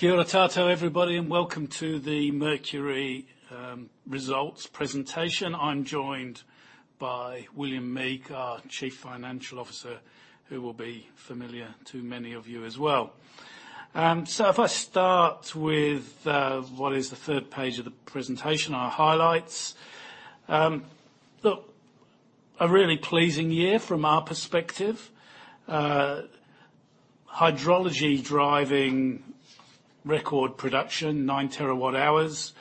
Kia ora tātou, everybody, welcome to the Mercury results presentation. I'm joined by William Meek, our Chief Financial Officer, who will be familiar to many of you as well. If I start with what is the third page of the presentation, our highlights. Look, a really pleasing year from our perspective. Hydrology driving record production, 9 terawatt hours.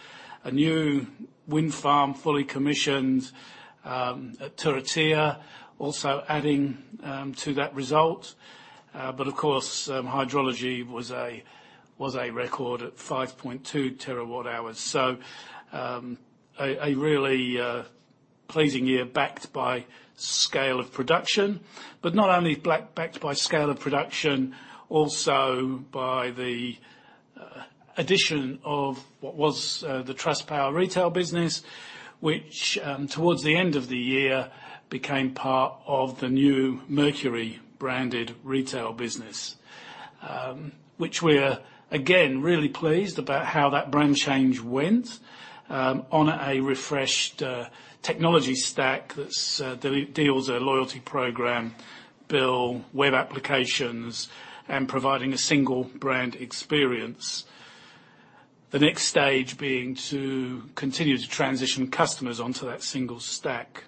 A new wind farm fully commissioned at Turitea, also adding to that result. Of course, hydrology was a record at 5.2 terawatt hours. A really pleasing year backed by scale of production, but not only backed by scale of production, also by the addition of what was the Trustpower retail business, which towards the end of the year, became part of the new Mercury-branded retail business. Which we are, again, really pleased about how that brand change went, on a refreshed technology stack that's deals a loyalty program, bill, web applications, and providing a single brand experience. The next stage being to continue to transition customers onto that single stack.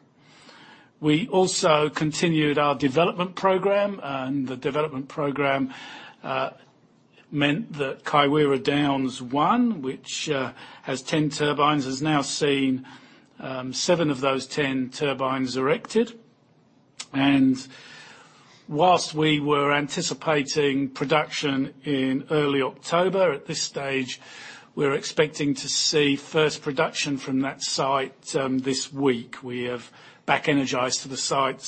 We also continued our development program, and the development program meant that Kaiwera Downs 1, which has 10 turbines, has now seen 7 of those 10 turbines erected. Whilst we were anticipating production in early October, at this stage, we're expecting to see first production from that site this week. We have back energized to the site.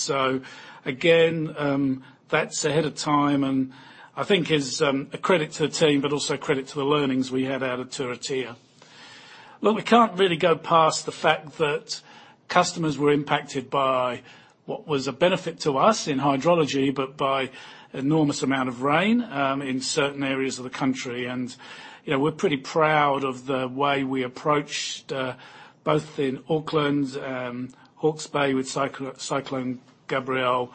Again, that's ahead of time, and I think is a credit to the team, but also a credit to the learnings we had out at Turitea. Look, we can't really go past the fact that customers were impacted by what was a benefit to us in hydrology, but by enormous amount of rain in certain areas of the country. You know, we're pretty proud of the way we approached both in Auckland, Hawke's Bay with Cyclone Gabrielle,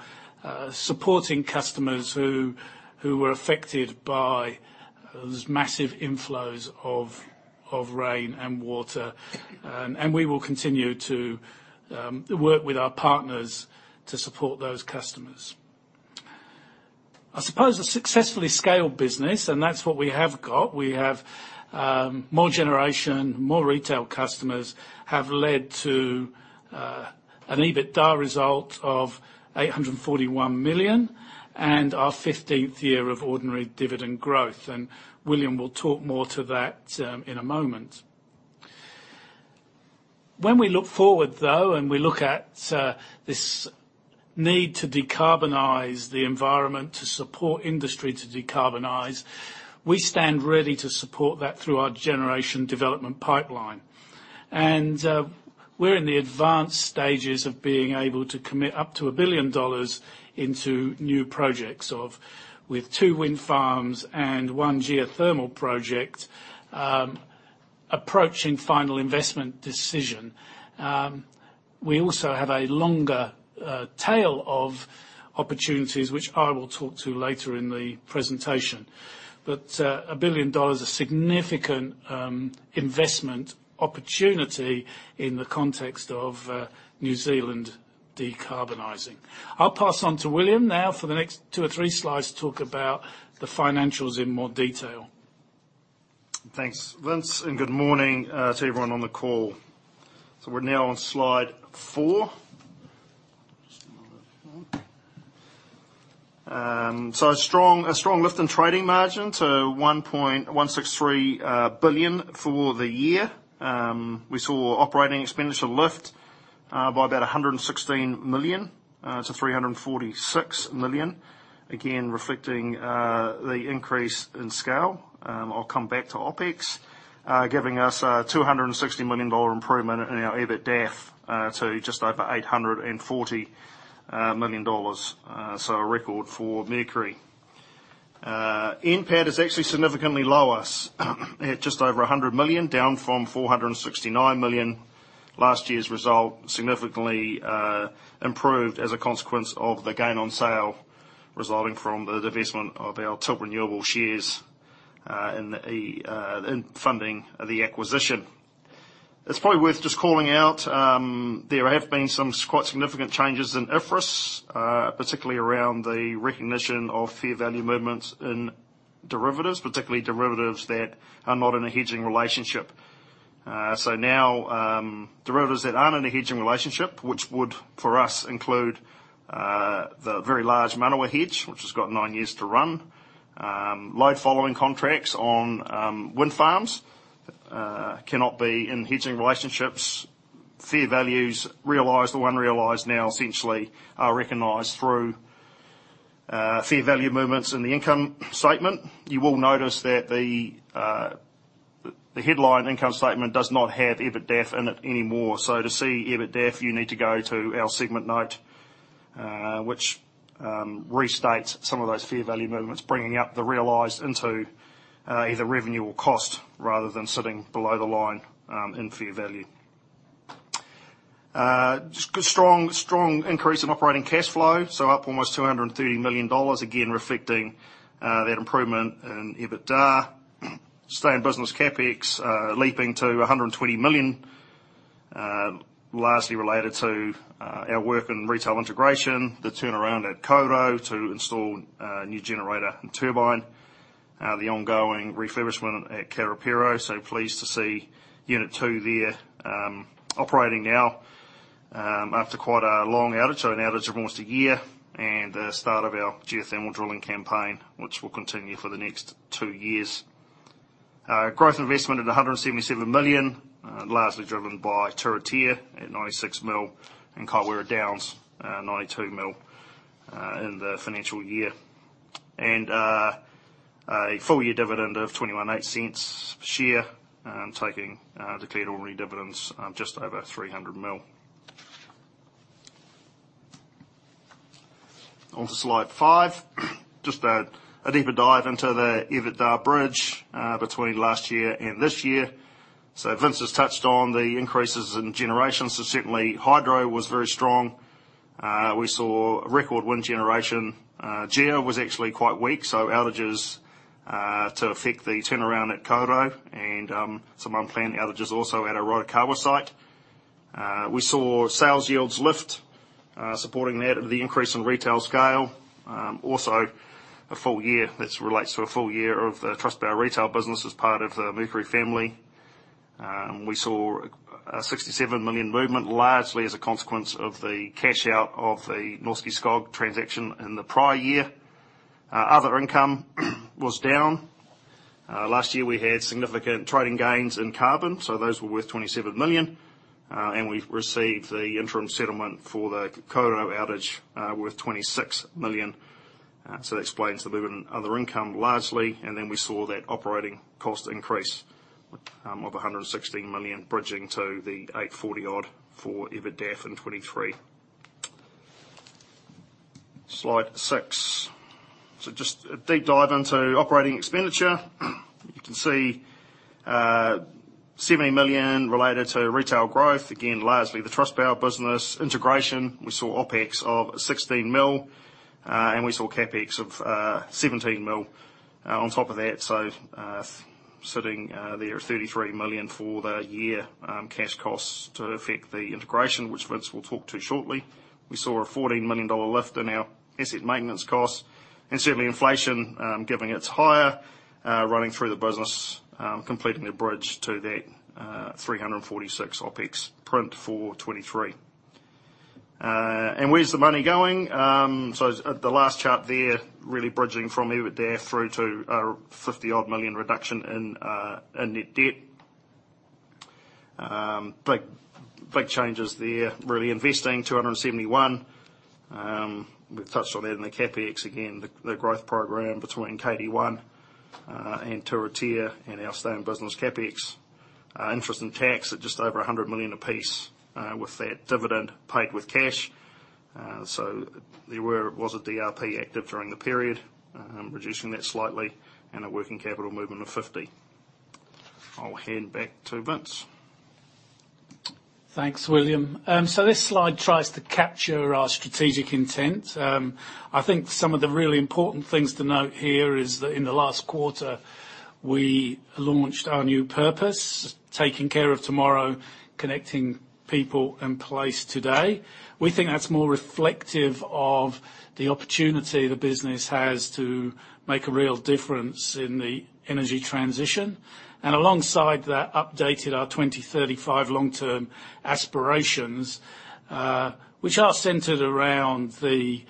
supporting customers who were affected by those massive inflows of rain and water. We will continue to work with our partners to support those customers. I suppose a successfully scaled business, and that's what we have got. We have more generation, more retail customers, have led to an EBITDA result of 841 million and our 15th year of ordinary dividend growth, William will talk more to that in a moment. When we look forward, though, and we look at this need to decarbonize the environment, to support industry to decarbonize, we stand ready to support that through our generation development pipeline. We're in the advanced stages of being able to commit up to 1 billion dollars into new projects of, with 2 wind farms and 1 geothermal project, approaching final investment decision. We also have a longer tail of opportunities, which I will talk to later in the presentation. 1 billion dollars is a significant investment opportunity in the context of New Zealand decarbonizing. I'll pass on to William now for the next 2 or 3 slides to talk about the financials in more detail. Thanks, Vince, good morning to everyone on the call. We're now on slide 4. A strong, a strong lift in trading margin to 1.163 billion for the year. We saw OpEx lift by about 116 million to 346 million. Again, reflecting the increase in scale. I'll come back to OpEx. Giving us a 260 million dollar improvement in our EBITDAF to just over 840 million dollars, so a record for Mercury. NPAT is actually significantly lower, at just over 100 million, down from 469 million. Last year's result significantly improved as a consequence of the gain on sale, resulting from the divestment of our Tilt Renewables shares and the in funding the acquisition. It's probably worth just calling out, there have been some quite significant changes in IFRS, particularly around the recognition of fair value movements in derivatives, particularly derivatives that are not in a hedging relationship. Now, derivatives that aren't in a hedging relationship, which would, for us, include the very large Manawa hedge, which has got 9 years to run. Load following contracts on wind farms cannot be in hedging relationships. Fair values realized or unrealized now essentially are recognized through fair value movements in the income statement. You will notice that the headline income statement does not have EBITDAF in it anymore. To see EBITDAF, you need to go to our segment note, which restates some of those fair value movements, bringing up the realized into either revenue or cost, rather than sitting below the line in fair value. Just good, strong, strong increase in operating cash flow, up almost 230 million dollars, again, reflecting that improvement in EBITDA. Staying in business, CapEx, leaping to 120 million, lastly related to our work in retail integration, the turnaround at Kawerau to install new generator and turbine, the ongoing refurbishment at Karapiro. Pleased to see Unit 2 there, operating now, after quite a long outage, an outage of almost 1 year, and the start of our geothermal drilling campaign, which will continue for the next 2 years. Growth investment at 177 million, largely driven by Turitea at 96 million, and Kaiwera Downs, 92 million, in the financial year. A full year dividend of 0.218 per share, taking the cleared ordinary dividends just over 300 million. On to slide 5. Just a deeper dive into the EBITDA bridge between last year and this year. Vince has touched on the increases in generation. Certainly, hydro was very strong. We saw record wind generation. Geo was actually quite weak, so outages to affect the turnaround at Kawerau and some unplanned outages also at our Rotokawa site. We saw sales yields lift, supporting that of the increase in retail scale. Also a full year, this relates to a full year of the Trustpower retail business as part of the Mercury family. We saw a 67 million movement, largely as a consequence of the cash out of the Norske Skog transaction in the prior year. Other income was down. Last year, we had significant trading gains in carbon. Those were worth 27 million. We've received the interim settlement for the Kawerau outage, worth 26 million. That explains the movement in other income, largely. We saw that operating cost increase of 116 million, bridging to the 840 odd for EBITDAF in 2023. Slide 6. Just a deep dive into operating expenditure. You can see 70 million related to retail growth, again, largely the Trustpower business integration. We saw OpEx of 16 million, and we saw CapEx of 17 million on top of that. Sitting there at 33 million for the year, cash costs to affect the integration, which Vince will talk to shortly. We saw a NZD 14 million lift in our asset maintenance costs, and certainly inflation, giving it's higher running through the business, completing the bridge to that 346 OpEx print for 2023. Where's the money going? At the last chart there, really bridging from EBITDAF through to a 50 million reduction in net debt. Big, big changes there. Really investing, 271. We've touched on that in the CapEx. Again, the growth program between KD one and Turitea and our staying business CapEx. Interest in tax at just over 100 million a piece, with that dividend paid with cash. There were, was a DRP active during the period, reducing that slightly, and a working capital movement of 50. I'll hand back to Vince. Thanks, William. This slide tries to capture our strategic intent. I think some of the really important things to note here is that in the last quarter, we launched our new purpose, "Taking care of tomorrow, connecting people and place today." We think that's more reflective of the opportunity the business has to make a real difference in the energy transition. Alongside that, updated our 2035 long-term aspirations, which are centered around the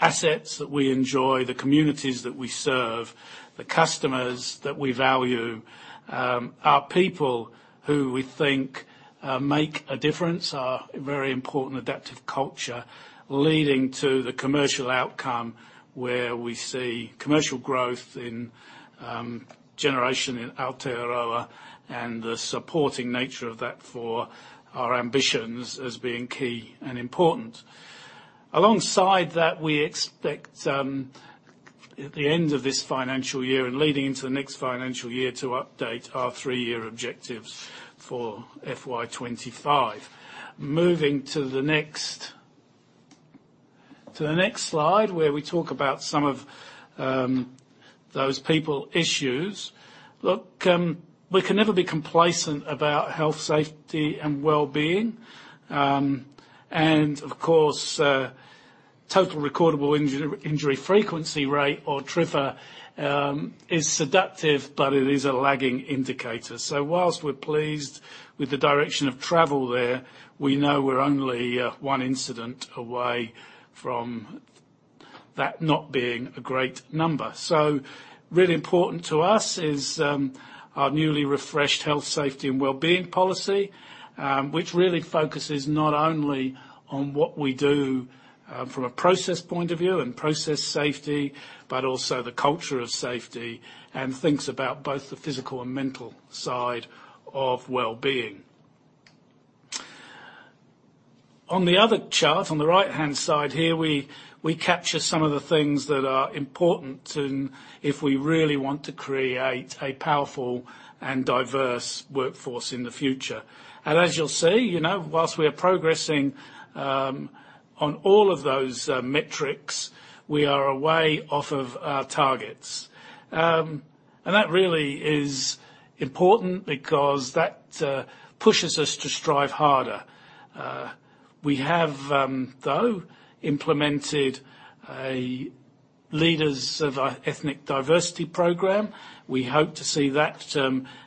assets that we enjoy, the communities that we serve, the customers that we value. Our people who we think make a difference, are a very important adaptive culture, leading to the commercial outcome, where we see commercial growth in generation in Aotearoa, and the supporting nature of that for our ambitions as being key and important. Alongside that, we expect, at the end of this financial year and leading into the next financial year, to update our 3-year objectives for FY25. Moving to the next, to the next slide, where we talk about some of those people issues. Look, we can never be complacent about health, safety, and well-being. Of course, Total Recordable Injury Frequency Rate, or TRIFR, is seductive, but it is a lagging indicator. Whilst we're pleased with the direction of travel there, we know we're only 1 incident away from that not being a great number. Really important to us is our newly refreshed health, safety, and wellbeing policy, which really focuses not only on what we do from a process point of view and process safety, but also the culture of safety, and thinks about both the physical and mental side of wellbeing. On the other chart, on the right-hand side here, we, we capture some of the things that are important to, if we really want to create a powerful and diverse workforce in the future. As you'll see, you know, whilst we are progressing on all of those metrics, we are a way off of our targets. That really is important because that pushes us to strive harder. We have, though, implemented a leaders of our ethnic diversity program. We hope to see that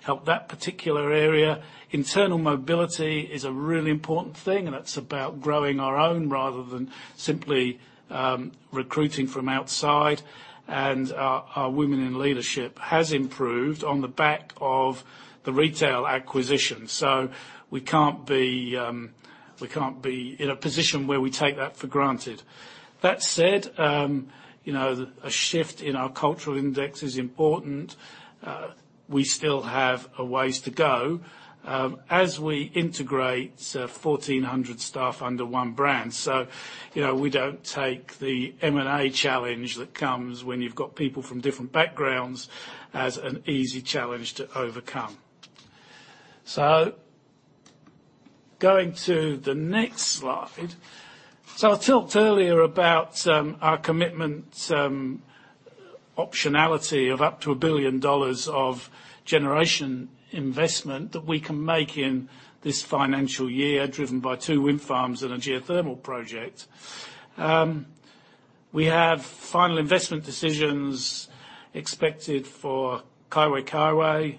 help that particular area. Internal mobility is a really important thing, that's about growing our own rather than simply recruiting from outside. Our, our women in leadership has improved on the back of the retail acquisition. We can't be, we can't be in a position where we take that for granted. That said, you know, a shift in our cultural index is important. We still have a ways to go as we integrate 1,400 staff under one brand. You know, we don't take the M&A challenge that comes when you've got people from different backgrounds as an easy challenge to overcome. Going to the next slide. I talked earlier about our commitment, optionality of up to 1 billion dollars of generation investment that we can make in this financial year, driven by two wind farms and a geothermal project. We have final investment decisions expected for Kaiwera Downs,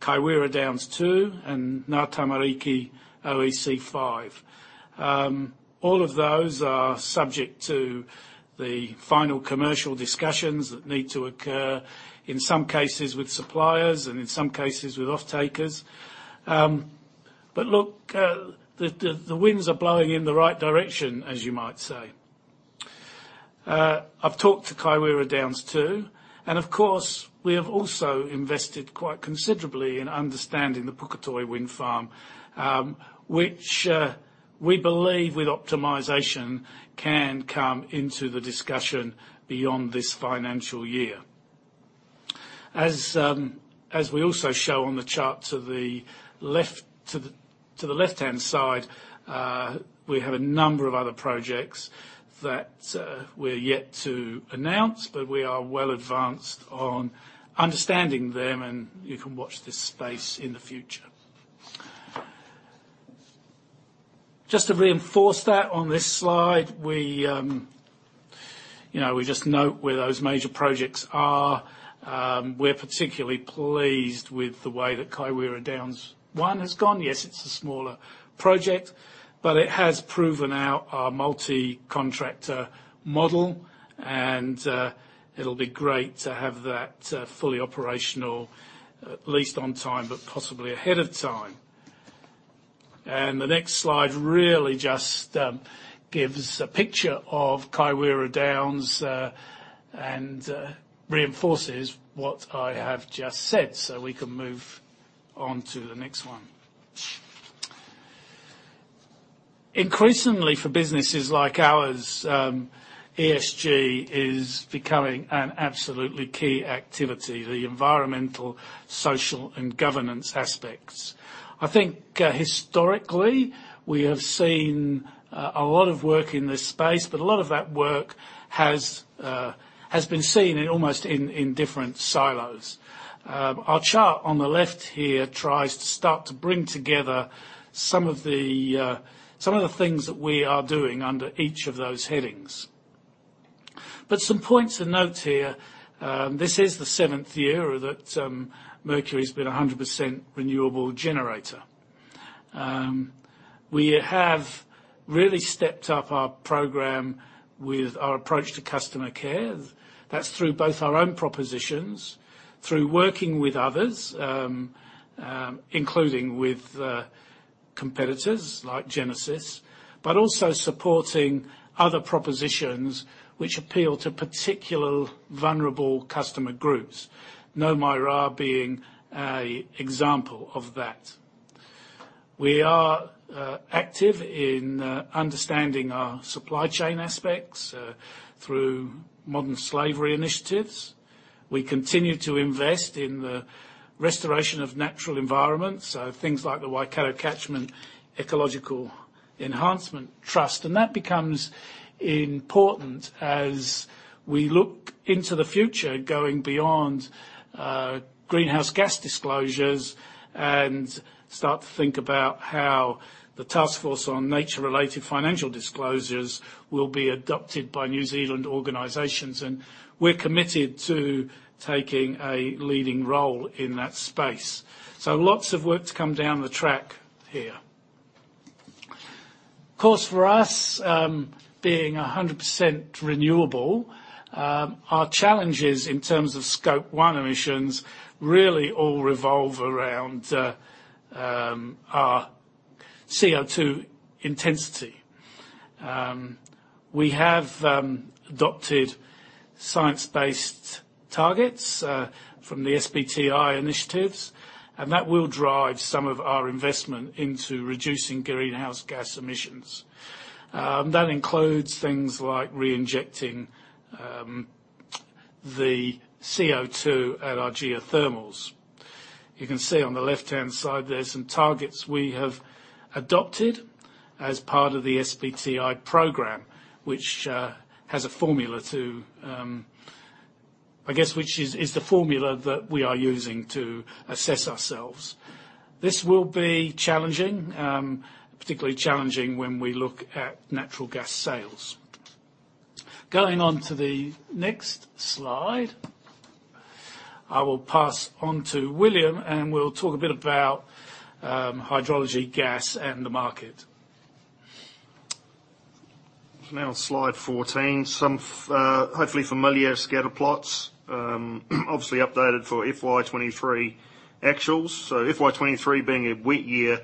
Kaiwera Downs 2, and Ngā Tamariki Unit 5. All of those are subject to the final commercial discussions that need to occur, in some cases with suppliers and in some cases with off-takers. Look, the winds are blowing in the right direction, as you might say. I've talked to Kaiwera Downs 2, of course, we have also invested quite considerably in understanding the Puketoi Wind Farm, which we believe with optimization, can come into the discussion beyond this financial year. As we also show on the chart to the left, to the left-hand side, we have a number of other projects that we're yet to announce, but we are well advanced on understanding them, and you can watch this space in the future. Just to reinforce that on this slide, we, you know, we just note where those major projects are. We're particularly pleased with the way that Kaiwera Downs 1 has gone. Yes, it's a smaller project, but it has proven out our multicontractor model, and it'll be great to have that fully operational, at least on time, but possibly ahead of time. The next slide really just gives a picture of Kaiwera Downs, and reinforces what I have just said, so we can move on to the next one. Increasingly, for businesses like ours, ESG is becoming an absolutely key activity, the environmental, social, and governance aspects. I think, historically, we have seen a lot of work in this space, but a lot of that work has been seen in almost in, in different silos. Our chart on the left here tries to start to bring together some of the some of the things that we are doing under each of those headings. Some points to note here, this is the seventh year that Mercury's been a 100% renewable generator. We have really stepped up our program with our approach to customer care. That's through both our own propositions, through working with others, including with competitors like Genesis, but also supporting other propositions which appeal to particular vulnerable customer groups, Nau Mai Rā being a example of that. We are active in understanding our supply chain aspects through modern slavery initiatives. We continue to invest in the restoration of natural environments, so things like the Waikato Catchment Ecological Enhancement Trust. That becomes important as we look into the future, going beyond greenhouse gas disclosures and start to think about how the task force on nature-related financial disclosures will be adopted by New Zealand organizations, and we're committed to taking a leading role in that space. Lots of work to come down the track here. Of course, for us, being 100% renewable, our challenges in terms of scope one emissions really all revolve around our CO2 intensity. We have adopted science-based targets from the SBTi initiatives, and that will drive some of our investment into reducing greenhouse gas emissions. That includes things like reinjecting the CO2 at our geothermals. You can see on the left-hand side, there are some targets we have adopted as part of the SBTi program, which has a formula to, I guess, which is the formula that we are using to assess ourselves. This will be challenging, particularly challenging when we look at natural gas sales. Going on to the next slide. I will pass on to William. We'll talk a bit about hydrology, gas, and the market. Now on slide 14, some hopefully familiar scatter plots, obviously updated for FY23 actuals. FY23, being a wet year,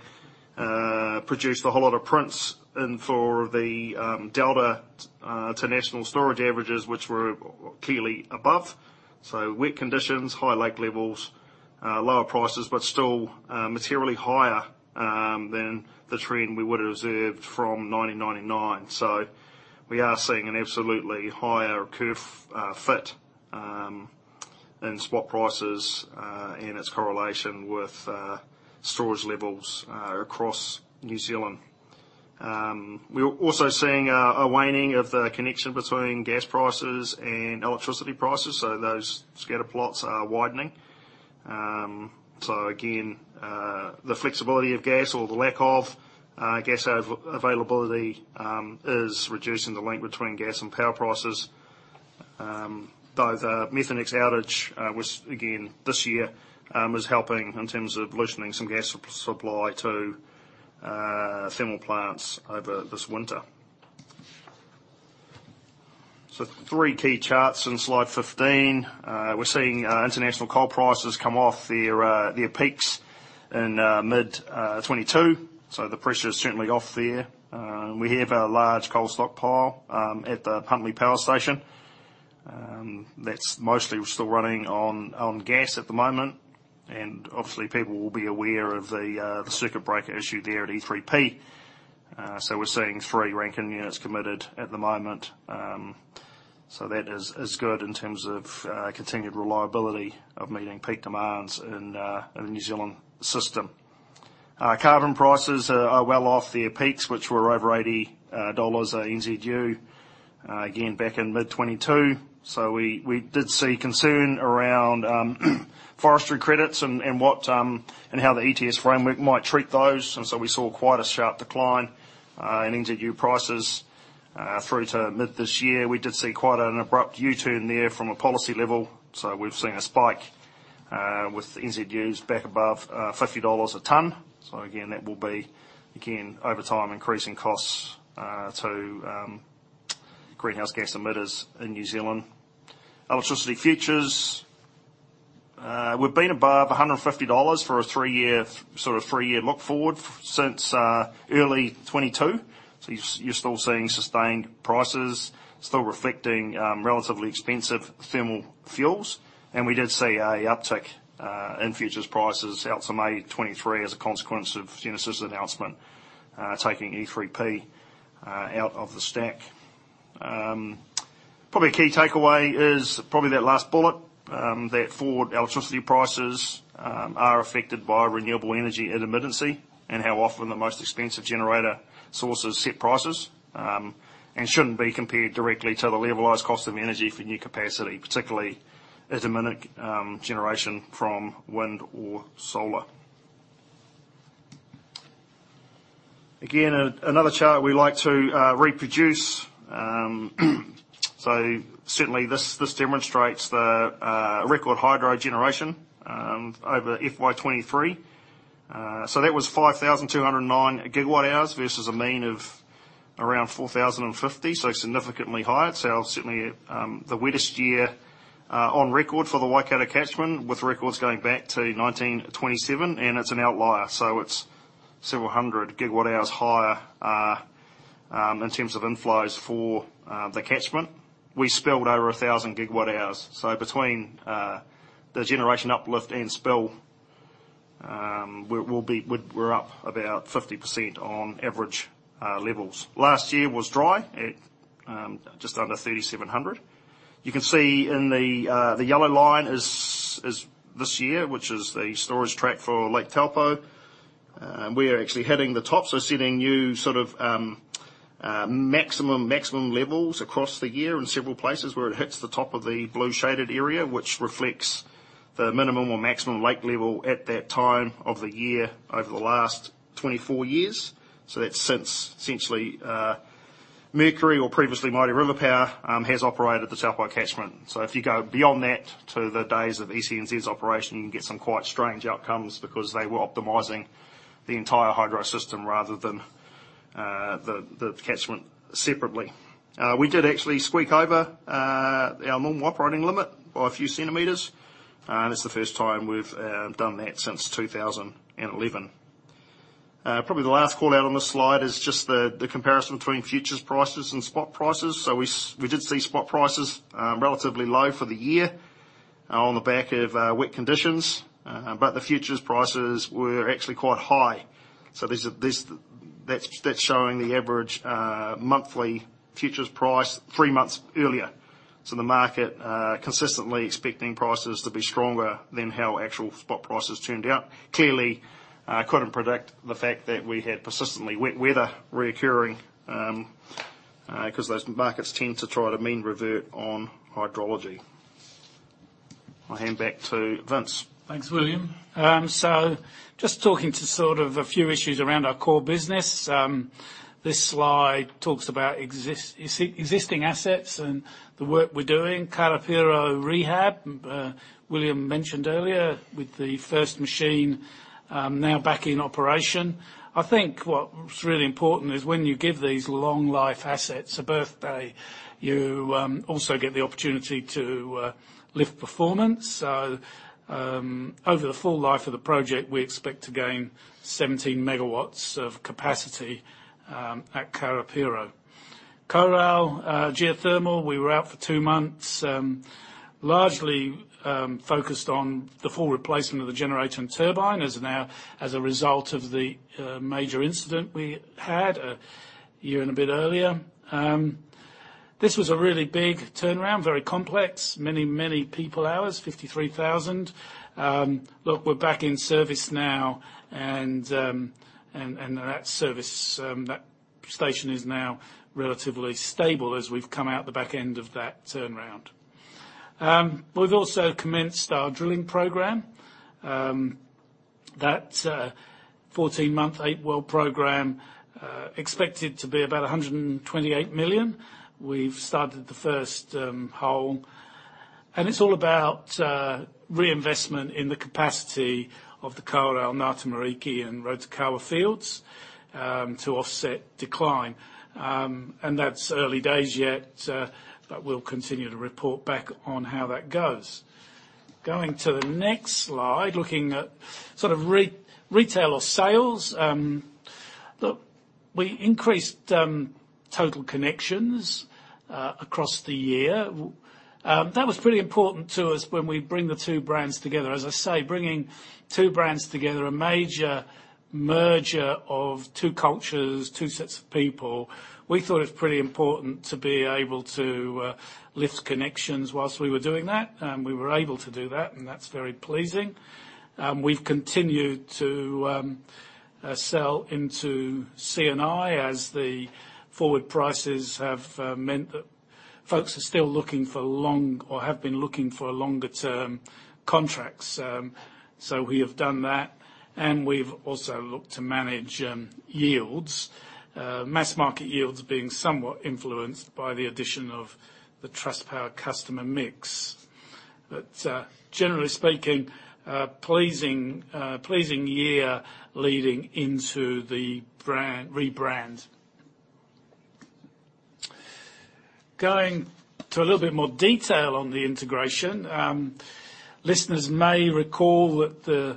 produced a whole lot of prints in for the delta to national storage averages, which were clearly above. Wet conditions, high lake levels, lower prices, but still materially higher than the trend we would have observed from 1999. We are seeing an absolutely higher curve fit in spot prices and its correlation with storage levels across New Zealand. We are also seeing a waning of the connection between gas prices and electricity prices, so those scatter plots are widening. Again, the flexibility of gas or the lack of gas availability is reducing the link between gas and power prices. Though, the Methanex outage was again, this year, is helping in terms of loosening some gas supply to thermal plants over this winter. Three key charts in slide 15. We're seeing international coal prices come off their peaks in mid 2022, so the pressure is certainly off there. We have a large coal stock pile at the Huntly Power Station. That's mostly still running on gas at the moment, and obviously, people will be aware of the circuit breaker issue there at E3P. We're seeing 3 ranking units committed at the moment. That is good in terms of continued reliability of meeting peak demands in the New Zealand system. Carbon prices are well off their peaks, which were over 80 dollars NZU again back in mid-2022. We did see concern around forestry credits and what and how the ETS framework might treat those. We saw quite a sharp decline in NZU prices. Through to mid this year, we did see quite an abrupt U-turn there from a policy level. We've seen a spike with NZUs back above 50 dollars a ton. Again, that will be, again, over time, increasing costs to greenhouse gas emitters in New Zealand. Electricity futures. We've been above 150 dollars for a 3-year, sort of 3-year look forward since early 2022. You're still seeing sustained prices, still reflecting relatively expensive thermal fuels. We did see a uptick in futures prices out to May 2023, as a consequence of Genesis' announcement, taking E3P out of the stack. Probably a key takeaway is probably that last bullet, that forward electricity prices are affected by renewable energy intermittency and how often the most expensive generator sources set prices. And shouldn't be compared directly to the levelized cost of energy for new capacity, particularly intermittent generation from wind or solar. Another chart we like to reproduce. Certainly, this, this demonstrates the record hydro generation over FY23. That was 5,209 GWh versus a mean of around 4,050. Significantly higher. Certainly, the wettest year on record for the Waikato catchment, with records going back to 1927, and it's an outlier, so it's several hundred GWh higher in terms of inflows for the catchment. We spilled over 1,000 GWh. Between the generation uplift and spill, we're up about 50% on average levels. Last year was dry at just under 3,700. You can see in the, the yellow line is, is this year, which is the storage track for Lake Taupo. We are actually hitting the top, so setting new sort of, maximum, maximum levels across the year in several places where it hits the top of the blue shaded area, which reflects the minimum or maximum lake level at that time of the year, over the last 24 years. That's since essentially, Mercury or previously Mighty River Power has operated the Taupo catchment. If you go beyond that to the days of ECNZ's operation, you can get some quite strange outcomes because they were optimizing the entire hydro system rather than the catchment separately. We did actually squeak over our normal operating limit by a few centimeters. That's the first time we've done that since 2011. Probably the last call out on this slide is just the comparison between futures prices and spot prices. We did see spot prices, relatively low for the year, on the back of wet conditions. The futures prices were actually quite high. That's showing the average monthly futures price three months earlier. The market consistently expecting prices to be stronger than how actual spot prices turned out. Clearly, couldn't predict the fact that we had persistently wet weather reoccurring, 'cause those markets tend to try to mean revert on hydrology. I'll hand back to Vince. Thanks, William. So just talking to sort of a few issues around our core business. This slide talks about existing assets and the work we're doing. Karapiro rehab, William mentioned earlier, with the first machine now back in operation. I think what's really important is when you give these long life assets a birthday, you also get the opportunity to lift performance. So over the full life of the project, we expect to gain 17 MW of capacity at Karapiro. Coral geothermal, we were out for 2 months, largely focused on the full replacement of the generator and turbine as now, as a result of the major incident we had a year and a bit earlier. This was a really big turnaround, very complex. Many, many people hours, 53,000. Look, we're back in service now, and that service, that station is now relatively stable as we've come out the back end of that turnaround. We've also commenced our drilling program. That 14-month, 8-well program, expected to be about 128 million. We've started the first hole, and it's all about reinvestment in the capacity of the Coral, Ngatamariki, and Rotokawa fields to offset decline. And that's early days yet, but we'll continue to report back on how that goes. Going to the next slide, looking at sort of re- retail or sales. Look, we increased total connections across the year. That was pretty important to us when we bring the two brands together. As I say, bringing two brands together, a major merger of two cultures, two sets of people, we thought it was pretty important to be able to lift connections whilst we were doing that, and we were able to do that, and that's very pleasing. We've continued to sell into C&I as the forward prices have meant that folks are still looking for long or have been looking for longer term contracts. We have done that, and we've also looked to manage yields. Mass market yields being somewhat influenced by the addition of the Trustpower customer mix. Generally speaking, pleasing, pleasing year leading into the brand, rebrand. Going to a little bit more detail on the integration. Listeners may recall that the,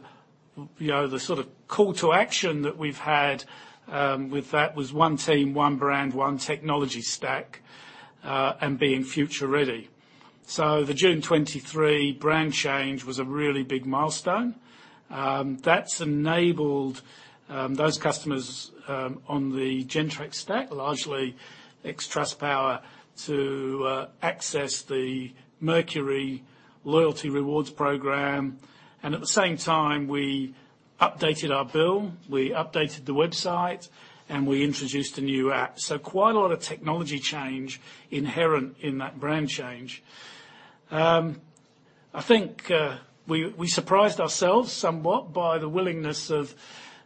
you know, the sort of call to action that we've had with that was one team, one brand, one technology stack, and being future ready. The June 2023 brand change was a really big milestone. That's enabled those customers on the Gentrack stack, largely ex-Trustpower, to access the Mercury Rewards program. At the same time, we updated our bill, we updated the website, and we introduced a new app. Quite a lot of technology change inherent in that brand change. I think we, we surprised ourselves somewhat by the willingness of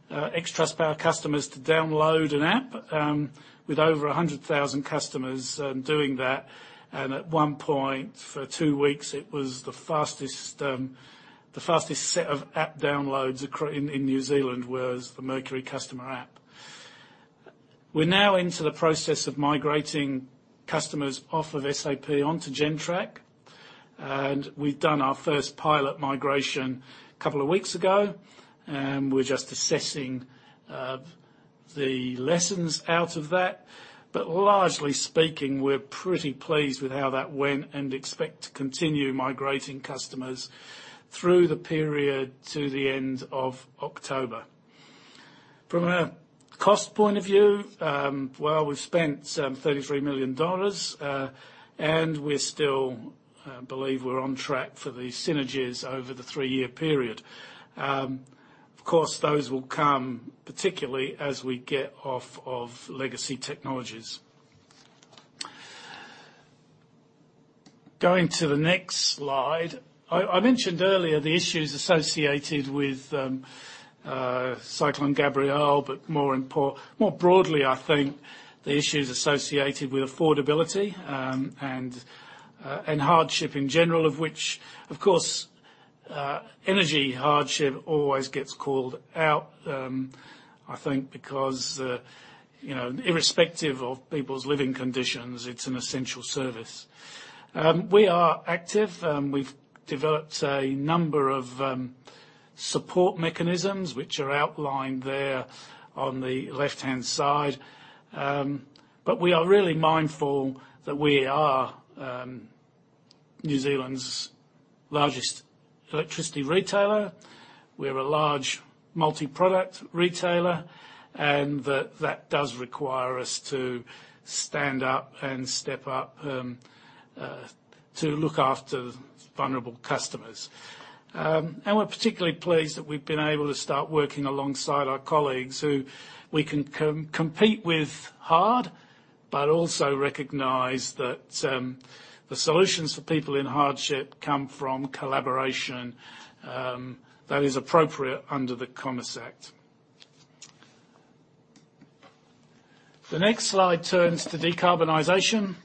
ex-Trustpower customers to download an app with over 100,000 customers doing that. At 1 point, for 2 weeks, it was the fastest, the fastest set of app downloads in, in New Zealand was the Mercury customer app. We're now into the process of migrating customers off of SAP onto Gentrack, and we've done our first pilot migration a couple of weeks ago, and we're just assessing the lessons out of that. Largely speaking, we're pretty pleased with how that went and expect to continue migrating customers through the period to the end of October. From a cost point of view, well, we've spent some 33 million dollars, and we still believe we're on track for the synergies over the 3-year period. Of course, those will come, particularly as we get off of legacy technologies. Going to the next slide. I, I mentioned earlier the issues associated with Cyclone Gabrielle, but more broadly, I think the issues associated with affordability and hardship in general, of which, of course, energy hardship always gets called out. I think because, you know, irrespective of people's living conditions, it's an essential service. We are active. We've developed a number of support mechanisms, which are outlined there on the left-hand side. We are really mindful that we are New Zealand's largest electricity retailer. We're a large multi-product retailer, and that, that does require us to stand up and step up to look after vulnerable customers. We're particularly pleased that we've been able to start working alongside our colleagues, who we can compete with hard, but also recognize that the solutions for people in hardship come from collaboration that is appropriate under the Commerce Act. The next slide turns to decarbonization.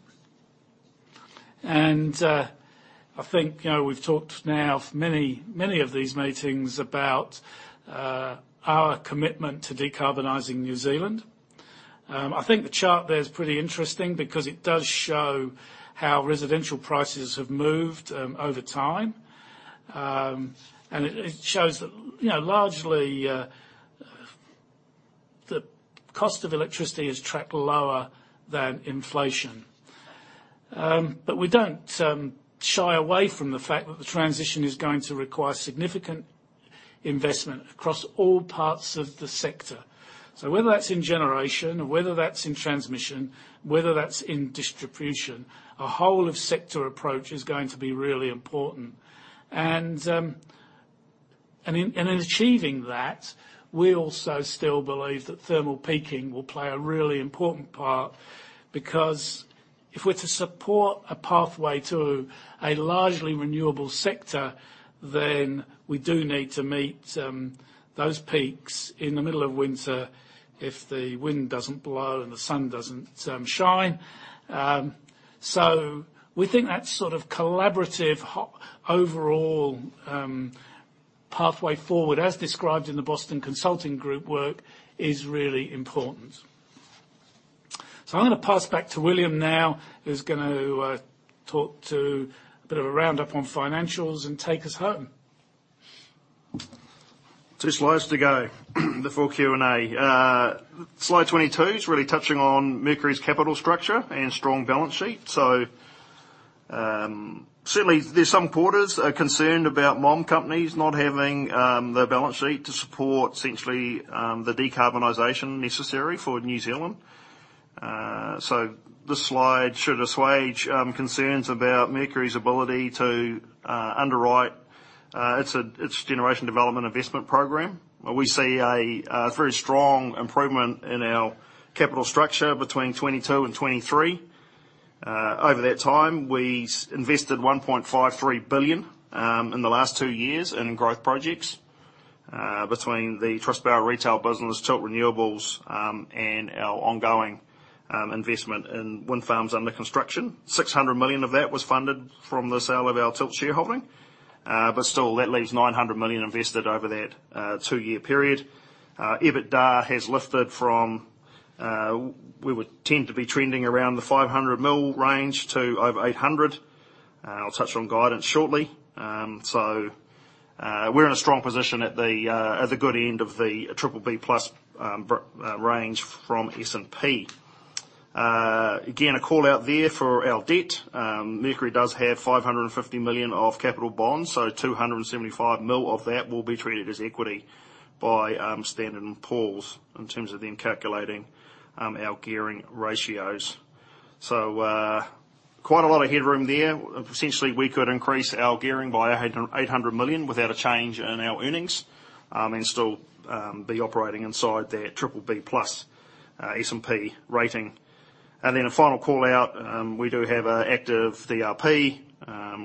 I think, you know, we've talked now for many, many of these meetings about our commitment to decarbonizing New Zealand. I think the chart there is pretty interesting because it does show how residential prices have moved over time. It, it shows that, you know, largely the cost of electricity has tracked lower than inflation. We don't shy away from the fact that the transition is going to require significant investment across all parts of the sector. Whether that's in generation or whether that's in transmission, whether that's in distribution, a whole of sector approach is going to be really important. In achieving that, we also still believe that thermal peaking will play a really important part because if we're to support a pathway to a largely renewable sector, then we do need to meet those peaks in the middle of winter if the wind doesn't blow and the sun doesn't shine. We think that sort of collaborative overall pathway forward, as described in the Boston Consulting Group work, is really important. I'm gonna pass back to William now, who's going to talk to a bit of a roundup on financials and take us home. Two slides to go before Q&A. Slide 22 is really touching on Mercury's capital structure and strong balance sheet. Certainly there's some quarters are concerned about MOM companies not having the balance sheet to support essentially the decarbonization necessary for New Zealand. This slide should assuage concerns about Mercury's ability to underwrite its generation development investment program. We see a very strong improvement in our capital structure between 2022 and 2023. Over that time, we invested 1.53 billion in the last two years in growth projects, between the Trustpower retail business, Tilt Renewables, and our ongoing investment in wind farms under construction. 600 million of that was funded from the sale of our Tilt shareholding, still, that leaves 900 million invested over that two-year period. EBITDA has lifted from, we would tend to be trending around the 500 million range to over 800 million. I'll touch on guidance shortly. We're in a strong position at the good end of the BBB+ range from S&P. Again, a call out there for our debt. Mercury does have 550 million of capital bonds, 275 million of that will be treated as equity by Standard & Poor's in terms of them calculating our gearing ratios. Quite a lot of headroom there. Essentially, we could increase our gearing by 800 million without a change in our earnings, still be operating inside that BBB+ S&P rating. A final call out, we do have an active DRP.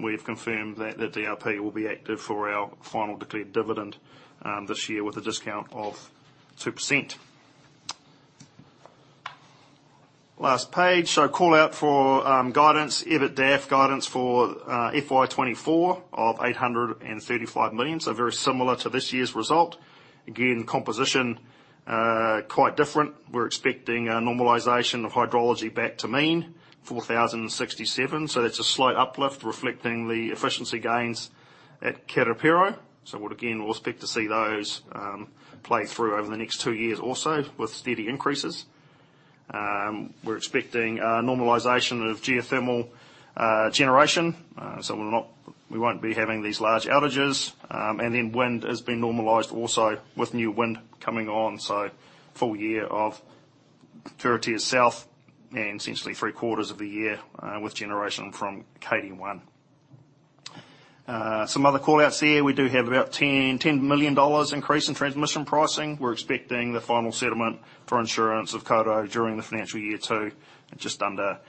We've confirmed that the DRP will be active for our final declared dividend this year with a discount of 2%. Last page, call out for guidance, EBITDAF guidance for FY24 of 835 million, very similar to this year's result. Again, composition quite different. We're expecting a normalization of hydrology back to mean, 4,067. That's a slight uplift reflecting the efficiency gains at Karapiro. Again, we'll expect to see those play through over the next 2 years also with steady increases. We're expecting a normalization of geothermal generation, so we won't be having these large outages. Then wind has been normalized also with new wind coming on, so full year of Turitea South and essentially three-quarters of the year with generation from Kaiwera Downs 1. Some other call outs there. We do have about 10 million dollars increase in transmission pricing. We're expecting the final settlement for insurance of Kawerau during the financial year 2, just under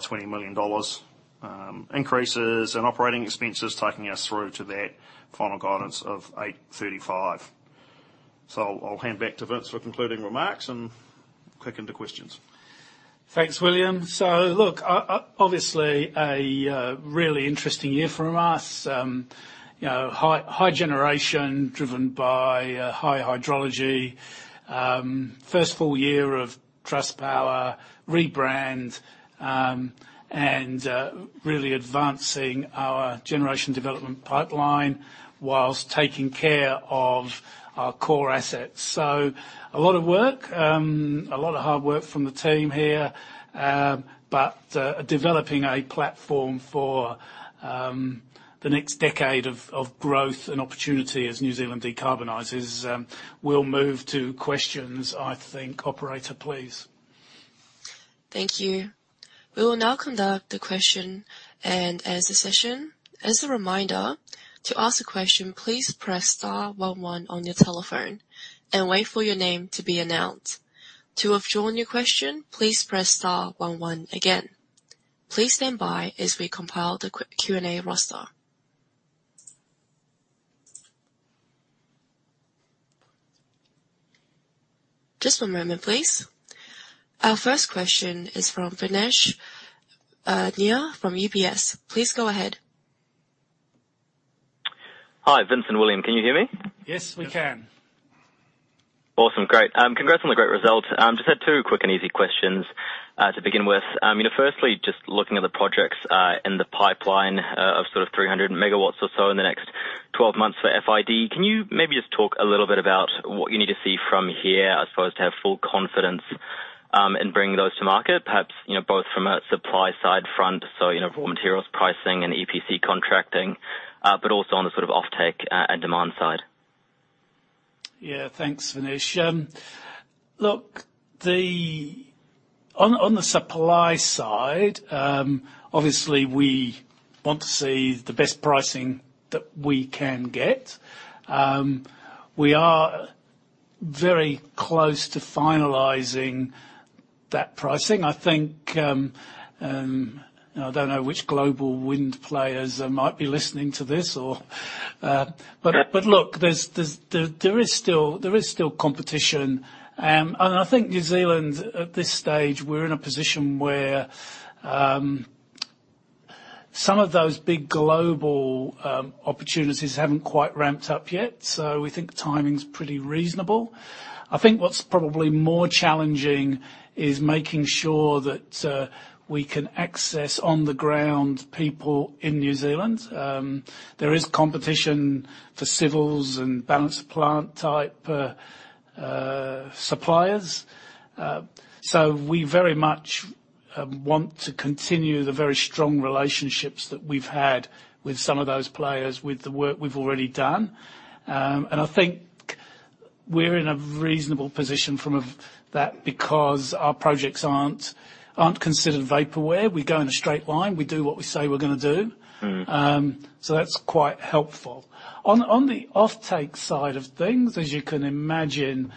20 million dollars, increases in operating expenses, taking us through to that final guidance of 835. I'll hand back to Vince for concluding remarks and kick into questions. Thanks, William. Look, obviously a really interesting year from us. You know, high, high generation driven by high hydrology. First full year of Trustpower rebrand, and really advancing our generation development pipeline whilst taking care of our core assets. A lot of work, a lot of hard work from the team here, but developing a platform for the next decade of growth and opportunity as New Zealand decarbonizes. We'll move to questions, I think. Operator, please. Thank you. We will now conduct the question and answer session. As a reminder, to ask a question, please press star 1 1 on your telephone and wait for your name to be announced. To withdraw your question, please press star 1 1 again. Please stand by as we compile the Q, Q&A roster. Just one moment, please. Our first question is from Vinesh, Vinesh from UBS. Please go ahead. Hi, Vince and William, can you hear me? Yes, we can. Yes. Awesome. Great. Congrats on the great result. Just had two quick and easy questions to begin with. You know, firstly, just looking at the projects in the pipeline of sort of 300 megawatts or so in the next 12 months for FID. Can you maybe just talk a little bit about what you need to see from here, as opposed to have full confidence in bringing those to market? Perhaps, you know, both from a supply side front, so you know, raw materials, pricing and EPC contracting, but also on the sort of offtake and demand side. Yeah, thanks, Vinesh. Look, on the supply side, obviously we want to see the best pricing that we can get. We are very close to finalizing that pricing. I think, I don't know which global wind players might be listening to this or. Yeah. Look, there's, there's, there, there is still, there is still competition. I think New Zealand, at this stage, we're in a position where, some of those big global, opportunities haven't quite ramped up yet, so we think timing's pretty reasonable. I think what's probably more challenging is making sure that, we can access on the ground people in New Zealand. There is competition for civils and balance of plant-type, suppliers. We very much, want to continue the very strong relationships that we've had with some of those players, with the work we've already done. I think we're in a reasonable position from of that, because our projects aren't, aren't considered vaporware. We go in a straight line. We do what we say we're gonna do. Mm-hmm. That's quite helpful. On, on the offtake side of things, as you can imagine,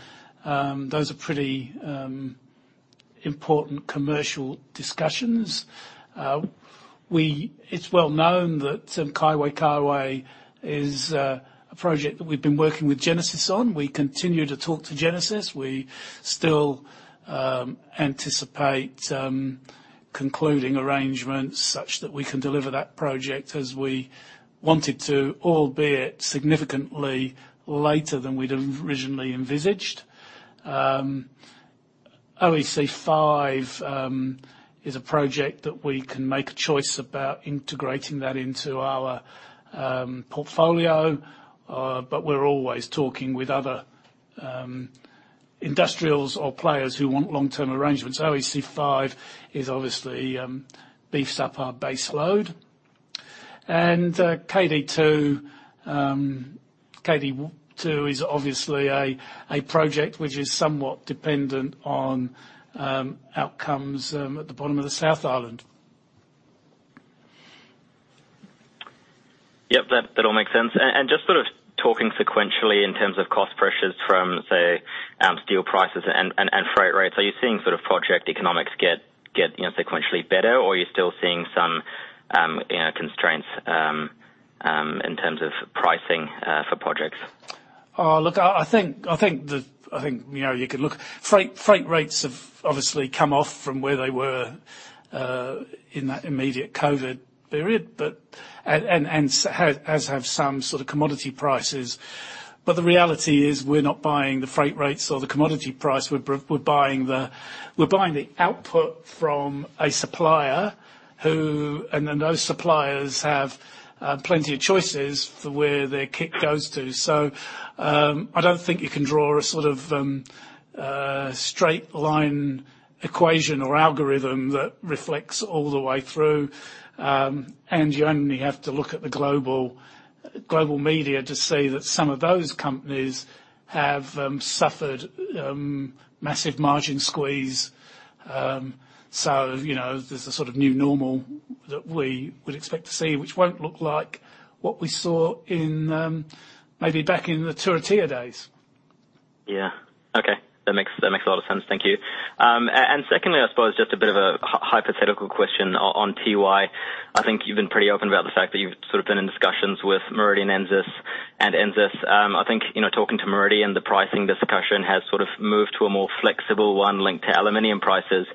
those are pretty important commercial discussions. It's well known that Kaiwaikawe is a project that we've been working with Genesis on. We continue to talk to Genesis. We still anticipate concluding arrangements such that we can deliver that project as we want it to, albeit significantly later than we'd originally envisaged. OEC5 is a project that we can make a choice about integrating that into our portfolio, but we're always talking with other industrials or players who want long-term arrangements. OEC5 is obviously beefs up our base load. KD 2, KD 2 is obviously a project which is somewhat dependent on outcomes at the bottom of the South Island. Yep, that, that all makes sense. Just sort of talking sequentially in terms of cost pressures from, say, steel prices and, and, and freight rates. Are you seeing sort of project economics get, get, you know, sequentially better, or are you still seeing some, you know, constraints in terms of pricing for projects? Oh, look, I, I think, I think the, I think, you know, you could look. Freight, freight rates have obviously come off from where they were, in that immediate Covid period, but as have some sort of commodity prices. The reality is, we're not buying the freight rates or the commodity price. We're buying the, we're buying the output from a supplier and then those suppliers have plenty of choices for where their kick goes to. I don't think you can draw a sort of straight line equation or algorithm that reflects all the way through. You only have to look at the global, global media to see that some of those companies have suffered massive margin squeeze. You know, there's a sort of new normal that we would expect to see, which won't look like what we saw in, maybe back in the Turitea days. Yeah. Okay, that makes, that makes a lot of sense. Thank you. Secondly, I suppose just a bit of a hypothetical question on Tiwai. I think you've been pretty open about the fact that you've sort of been in discussions with Meridian, NZAS, and NZAS. I think, you know, talking to Meridian, the pricing discussion has sort of moved to a more flexible one linked to aluminum prices.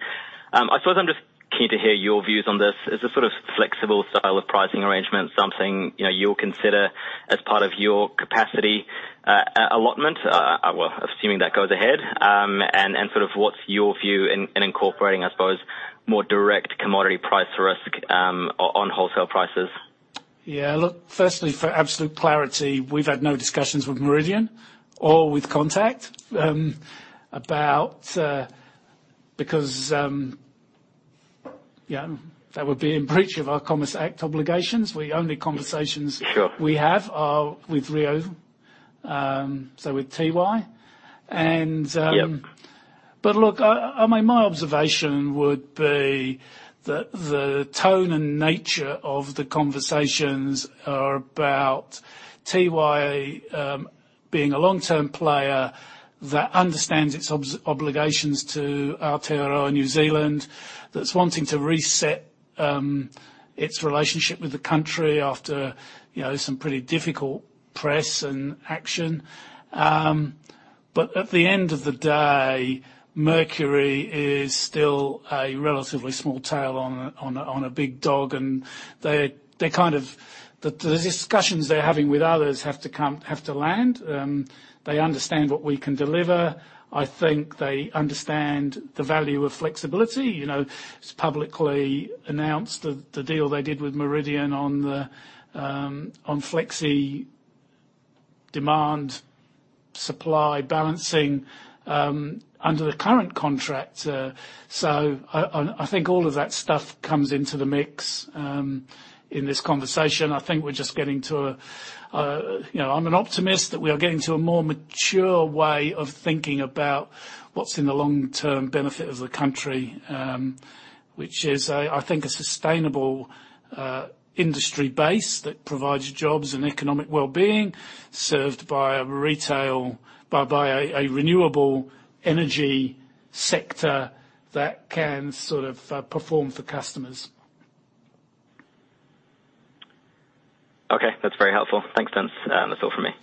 I suppose I'm just keen to hear your views on this. Is a sort of flexible style of pricing arrangement, something, you know, you'll consider as part of your capacity allotment? Well, assuming that goes ahead. Sort of what's your view in, in incorporating, I suppose, more direct commodity price risk on wholesale prices? Yeah, look, firstly, for absolute clarity, we've had no discussions with Meridian or with Contact, about because, yeah, that would be in breach of our Commerce Act obligations. We, only conversations- Sure. we have are with Rio, so with Tiwai. Yep. Look, I, I mean, my observation would be that the tone and nature of the conversations are about Tiwai, being a long-term player that understands its obligations to Aotearoa, New Zealand, that's wanting to reset, its relationship with the country after, you know, some pretty difficult press and action. At the end of the day, Mercury is still a relatively small tail on a, on a, on a big dog, and they, the discussions they're having with others have to come, have to land. They understand what we can deliver. I think they understand the value of flexibility. You know, it's publicly announced the deal they did with Meridian on flexi demand, supply, balancing, under the current contract. I, I, I think all of that stuff comes into the mix, in this conversation. I think we're just getting to a, you know... I'm an optimist, that we are getting to a more mature way of thinking about what's in the long-term benefit of the country, which is a, I think, a sustainable, industry base that provides jobs and economic well-being, served by a retail, by a renewable energy sector that can sort of, perform for customers. Okay, that's very helpful. Thanks, Vince. That's all for me.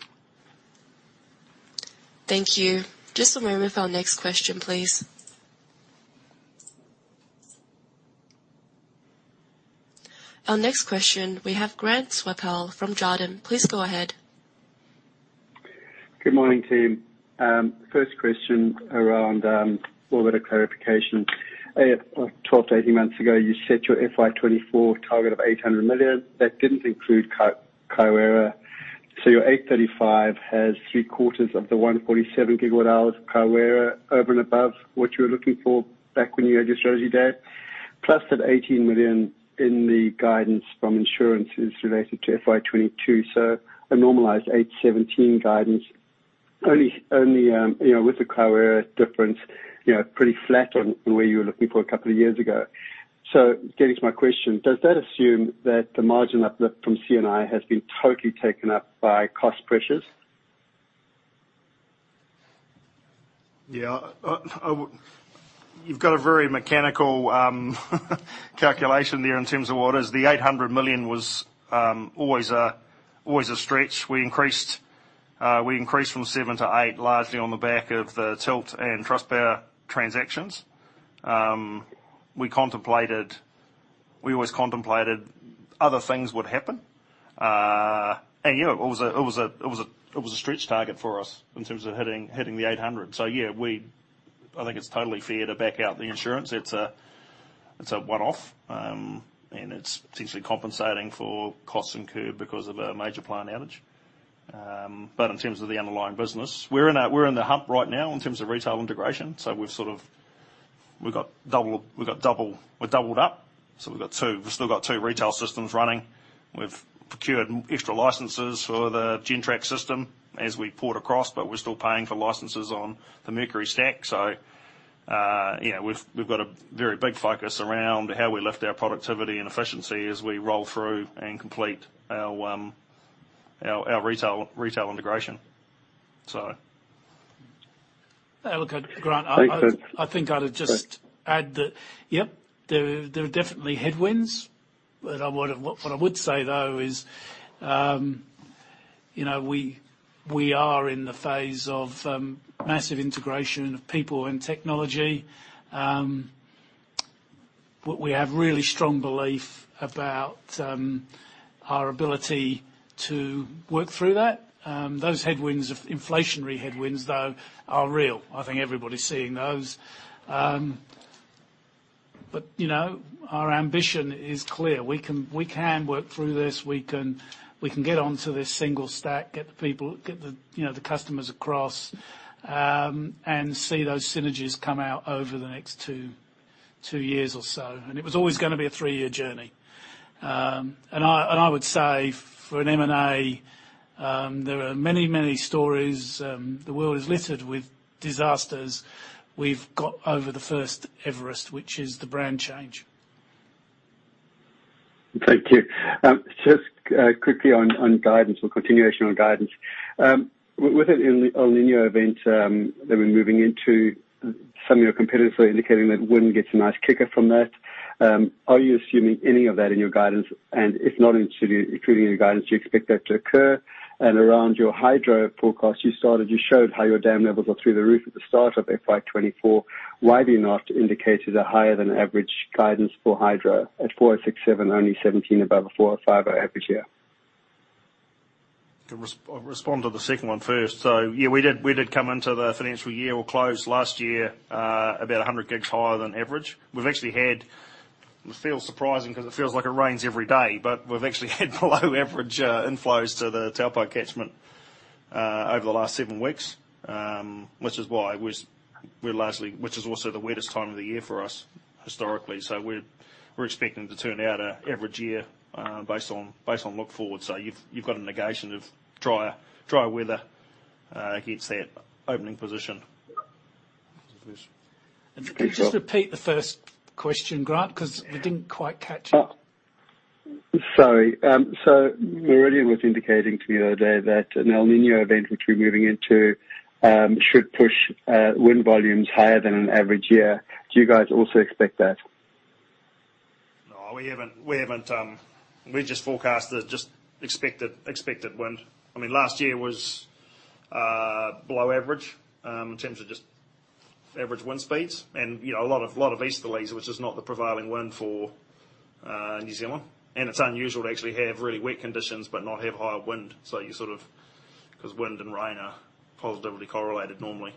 Thank you. Just a moment for our next question, please. Our next question, we have Grant Swanepoel from Jarden. Please go ahead. Good morning, team. First question around a little bit of clarification. 12-18 months ago, you set your FY24 target of 800 million. That didn't include Kawerau, so your 835 has three-quarters of the 147 gigawatt hours of Kawerau over and above what you were looking for back when you had your strategy day, plus that 18 million in the guidance from insurance is related to FY22. A normalized 817 guidance only, only, you know, with the Kawerau difference, you know, pretty flat on, on where you were looking for a couple of years ago. Getting to my question, does that assume that the margin uplift from CNI has been totally taken up by cost pressures? Yeah. I, you've got a very mechanical calculation there in terms of what is. The 800 million was always a, always a stretch. We increased, we increased from seven to eight, largely on the back of the Tilt and Trustpower transactions. We contemplated, we always contemplated other things would happen. Yeah, it was a, it was a, it was a, it was a stretch target for us in terms of hitting, hitting the 800. Yeah, we, I think it's totally fair to back out the insurance. It's a, it's a one-off, and it's essentially compensating for costs incurred because of a major plant outage. In terms of the underlying business, we're in a, we're in the hump right now in terms of retail integration, we've sort of, we've got double, we've got double, we've doubled up, we've got two, we've still got two retail systems running. We've procured extra licenses for the Gentrack system as we port across, but we're still paying for licenses on the Mercury stack. You know, we've, we've got a very big focus around how we lift our productivity and efficiency as we roll through and complete our, our, our retail, retail integration. So. Look, Grant, I. Thank you. I think I'd just add that, yep, there are, there are definitely headwinds, but I would, what I would say, though, is, you know, we, we are in the phase of, massive integration of people and technology. But we have really strong belief about, our ability to work through that. Those headwinds of, inflationary headwinds, though, are real. I think everybody's seeing those. But, you know, our ambition is clear. We can, we can work through this. We can, we can get onto this single stack, get the people, get the, you know, the customers across, and see those synergies come out over the next 2, 2 years or so. It was always gonna be a 3-year journey. I, and I would say for an M&A, there are many, many stories. The world is littered with disasters. We've got over the first Everest, which is the brand change. Thank you. Just quickly on, on guidance or continuation on guidance. With an El Niño event that we're moving into, some of your competitors are indicating that wind gets a nice kicker from that. Are you assuming any of that in your guidance? If not, including, including in your guidance, do you expect that to occur? Around your hydro forecast, you showed how your dam levels are through the roof at the start of FY24. Why have you not indicated a higher-than-average guidance for hydro at 4,067, only 17 above 4,005 every year? Can respond to the second one first. Yeah, we did, we did come into the financial year or close last year, about 100 gigs higher than average. We've actually had. It feels surprising because it feels like it rains every day, but we've actually had below-average inflows to the Taupō catchment over the last 7 weeks. Which is why we're, we're largely, which is also the wettest time of the year for us historically. We're, we're expecting to turn out a average year, based on, based on look forward. You've, you've got a negation of drier, drier weather against that opening position. Can you just repeat the first question, Grant? Because we didn't quite catch it. Oh, sorry. Meridian was indicating to me the other day that an El Niño event, which we're moving into, should push wind volumes higher than an average year. Do you guys also expect that? No, we haven't, we haven't. We're just forecasting the just expected, expected wind. I mean, last year was below average in terms of just average wind speeds and, you know, a lot of, lot of easterlies, which is not the prevailing wind for New Zealand. It's unusual to actually have really wet conditions but not have higher wind. You sort of because wind and rain are positively correlated normally.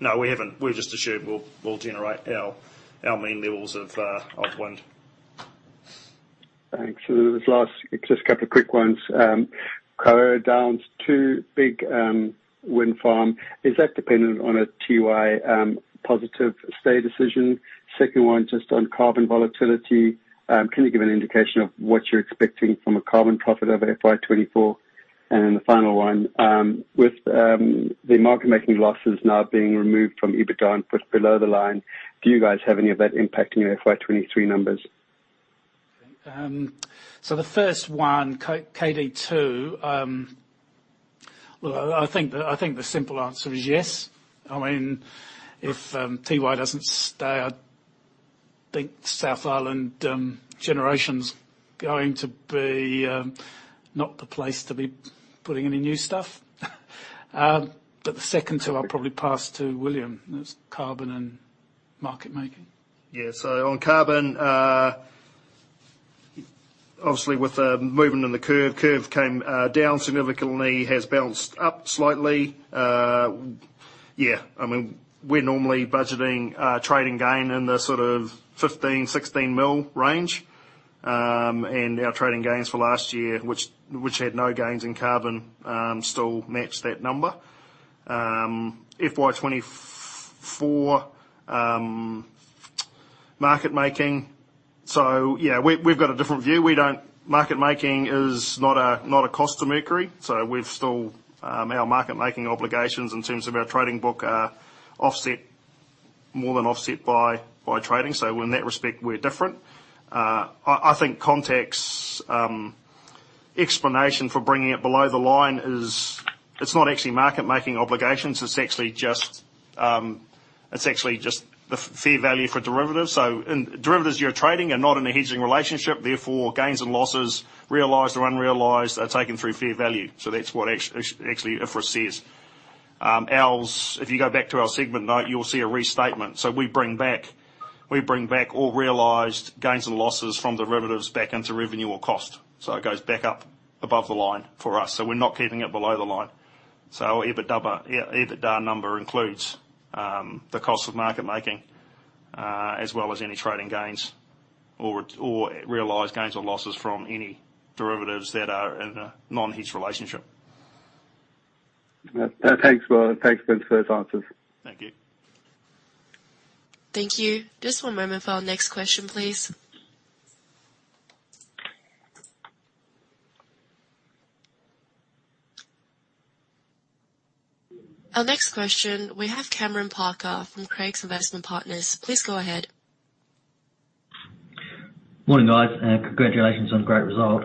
No, we haven't. We've just assumed we'll, we'll generate our, our mean levels of wind. Thanks. There was last just 2 quick ones. Kaiwera Downs 2 big wind farm, is that dependent on a Tiwai positive stay decision? Second one, just on carbon volatility, can you give an indication of what you're expecting from a carbon profit over FY24? Then the final one, with the market making losses now being removed from EBITDA and put below the line, do you guys have any of that impact in your FY23 numbers? The first one, KA, KD 2, I, I think the, I think the simple answer is yes. If Tiwai doesn't stay, I think South Island generation's going to be not the place to be putting any new stuff. The second 2, I'll probably pass to William. That's carbon and market making. Yeah. So on carbon, obviously, with the movement in the curve, curve came down significantly, has bounced up slightly. Yeah, I mean, we're normally budgeting trade and gain in the sort of 15 million-16 million range. Our trading gains for last year, which had no gains in carbon, still matched that number. FY24, market making. Yeah, we've got a different view. Market making is not a cost to Mercury, so we've still our market-making obligations in terms of our trading book are offset, more than offset by trading. In that respect, we're different. I think context, explanation for bringing it below the line is it's not actually market-making obligations, it's actually just fair value for derivatives. In derivatives, you're trading and not in a hedging relationship, therefore, gains and losses, realized or unrealized, are taken through fair value. That's what actually IFRS says. Ours, if you go back to our segment note, you'll see a restatement. We bring back, we bring back all realized gains and losses from derivatives back into revenue or cost, so it goes back up above the line for us. We're not keeping it below the line. Our EBITDA, EBITDA number includes the cost of market making as well as any trading gains or, or realized gains or losses from any derivatives that are in a non-hedged relationship. Thanks, William. Thanks for those answers. Thank you. Thank you. Just one moment for our next question, please. Our next question, we have Cameron Parker from Craigs Investment Partners. Please go ahead. Morning, guys, congratulations on a great result.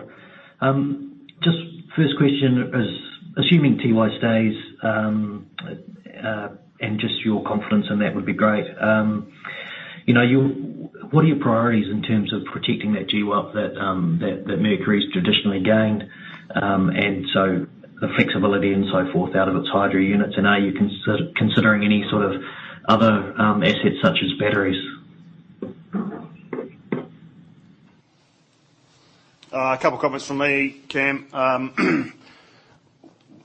Just first question is, assuming Tiwai stays, and just your confidence in that would be great. You know, what are your priorities in terms of protecting that GWAP that, that Mercury's traditionally gained, and so the flexibility and so forth out of its hydro units, and are you considering any sort of other assets, such as batteries? A couple comments from me, Cam.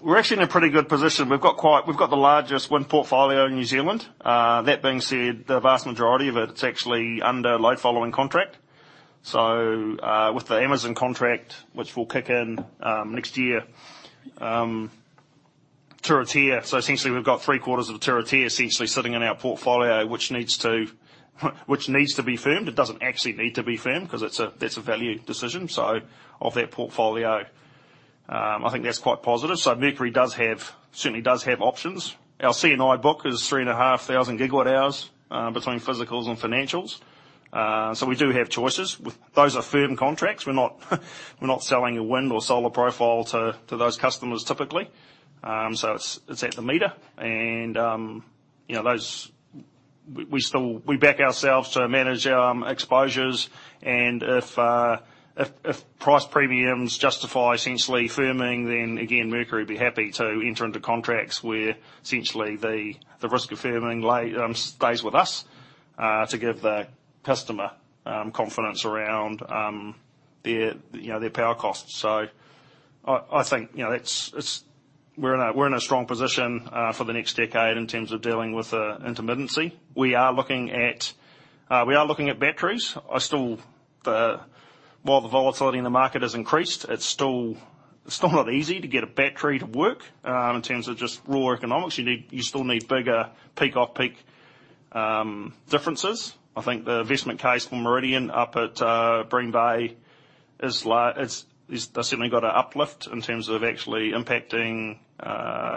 We're actually in a pretty good position. We've got we've got the largest wind portfolio in New Zealand. That being said, the vast majority of it, it's actually under load following contract. With the Amazon contract, which will kick in, next year, Turitea. Essentially, we've got three-quarters of Turitea essentially sitting in our portfolio, which needs to, which needs to be firmed. It doesn't actually need to be firmed 'cause it's a, that's a value decision. Of that portfolio, I think that's quite positive. Mercury does have, certainly does have options. Our C&I book is 3,500 gigawatt hours, between physicals and financials. We do have choices, with... Those are firm contracts. We're not, we're not selling a wind or solar profile to, to those customers, typically. It's, it's at the meter and, you know, We, we still, we back ourselves to manage exposures. If, if, if price premiums justify essentially firming, then again, Mercury would be happy to enter into contracts where essentially the, the risk of firming lay stays with us, to give the customer confidence around their, you know, their power costs. I, I think, you know, it's, it's we're in a, we're in a strong position for the next decade in terms of dealing with intermittency. We are looking at, we are looking at batteries. While the volatility in the market has increased, it's still, still not easy to get a battery to work. In terms of just raw economics, you need, you still need bigger peak-off-peak differences. I think the investment case for Meridian up at Bream Bay is they've certainly got an uplift in terms of actually impacting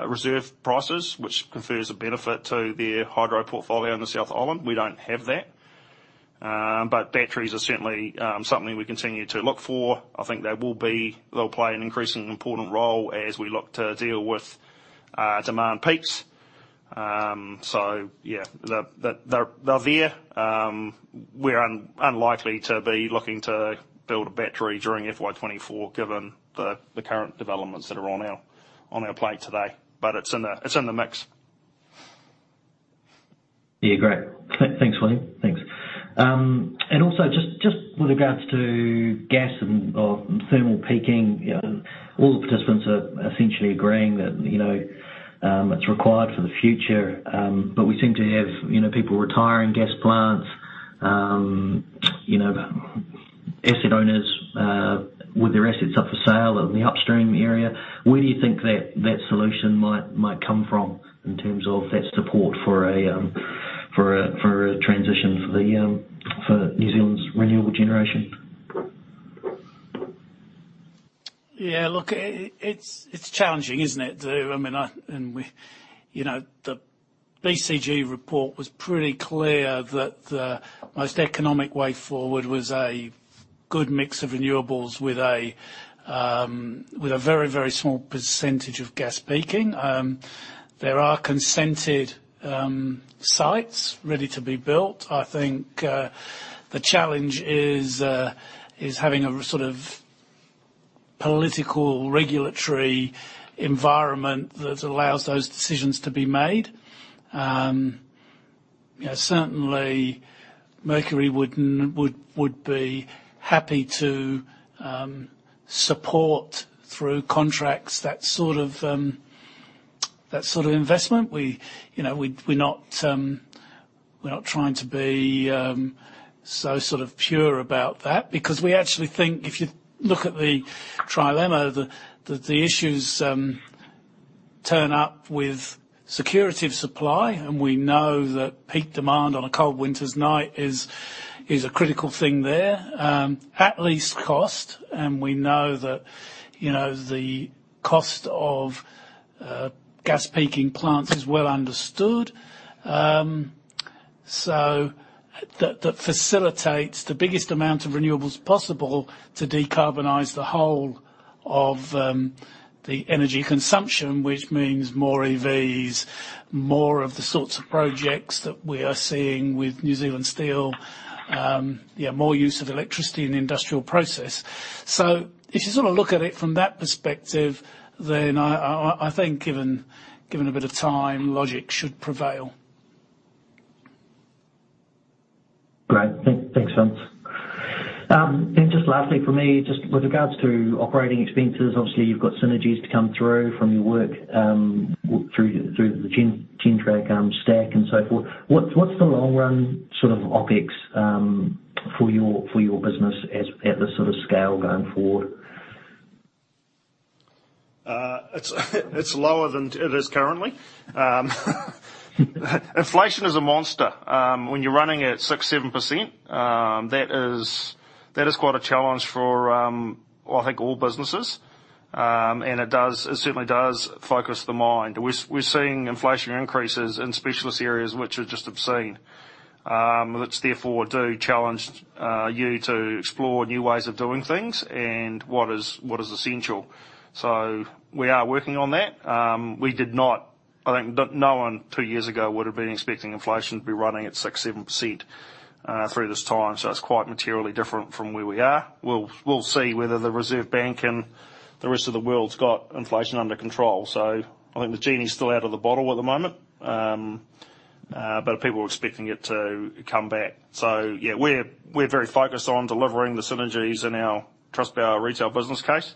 reserve prices, which confers a benefit to their hydro portfolio in the South Island. We don't have that. Batteries are certainly something we continue to look for. I think they'll play an increasingly important role as we look to deal with demand peaks. Yeah, they're there. We're unlikely to be looking to build a battery during FY24, given the current developments that are on our plate today. It's in the mix. Yeah, great. Thanks, William. Thanks. Also just, just with regards to gas and, or thermal peaking, you know, all the participants are essentially agreeing that, you know, it's required for the future. We seem to have, you know, people retiring gas plants, you know, asset owners, with their assets up for sale in the upstream area. Where do you think that, that solution might, might come from in terms of that support for a, for a, for a transition for the, for New Zealand's renewable generation? Yeah, look, it, it's, it's challenging, isn't it? To... I mean, I, and we, you know, the BCG report was pretty clear that the most economic way forward was a good mix of renewables with a very, very small percentage of gas peaking. There are consented sites ready to be built. I think the challenge is having a sort of political, regulatory environment that allows those decisions to be made. Yeah, certainly Mercury would, would be happy to support through contracts, that sort of, that sort of investment. We, you know, we're, we're not, we're not trying to be so sort of pure about that, because we actually think if you look at the trilemma, the, the, the issues turn up with security of supply, and we know that peak demand on a cold winter's night is, is a critical thing there, at least cost. We know that, you know, the cost of gas peaking plants is well understood. That, that facilitates the biggest amount of renewables possible to decarbonize the whole of the energy consumption, which means more EVs, more of the sorts of projects that we are seeing with New Zealand Steel. Yeah, more use of electricity in the industrial process. If you sort of look at it from that perspective, then I, I, I think given, given a bit of time, logic should prevail. Great. Thank, thanks, Vince. Just lastly for me, just with regards to operating expenses, obviously, you've got synergies to come through from your work, through, through the Gen, Gentrack, stack and so forth. What's, what's the long run sort of OpEx, for your, for your business at, at this sort of scale going forward? It's, it's lower than it is currently. Inflation is a monster. When you're running at 6%, 7%, that is, that is quite a challenge for, I think, all businesses. It does, it certainly does focus the mind. We're, we're seeing inflation increases in specialist areas which are just obscene. Which therefore do challenge you to explore new ways of doing things and what is, what is essential. We are working on that. We did not... I think no one, 2 years ago, would have been expecting inflation to be running at 6%, 7% through this time. It's quite materially different from where we are. We'll, we'll see whether the Reserve Bank and the rest of the world's got inflation under control. I think the genie is still out of the bottle at the moment, but people are expecting it to come back. Yeah, we're very focused on delivering the synergies in our Trustpower retail business case.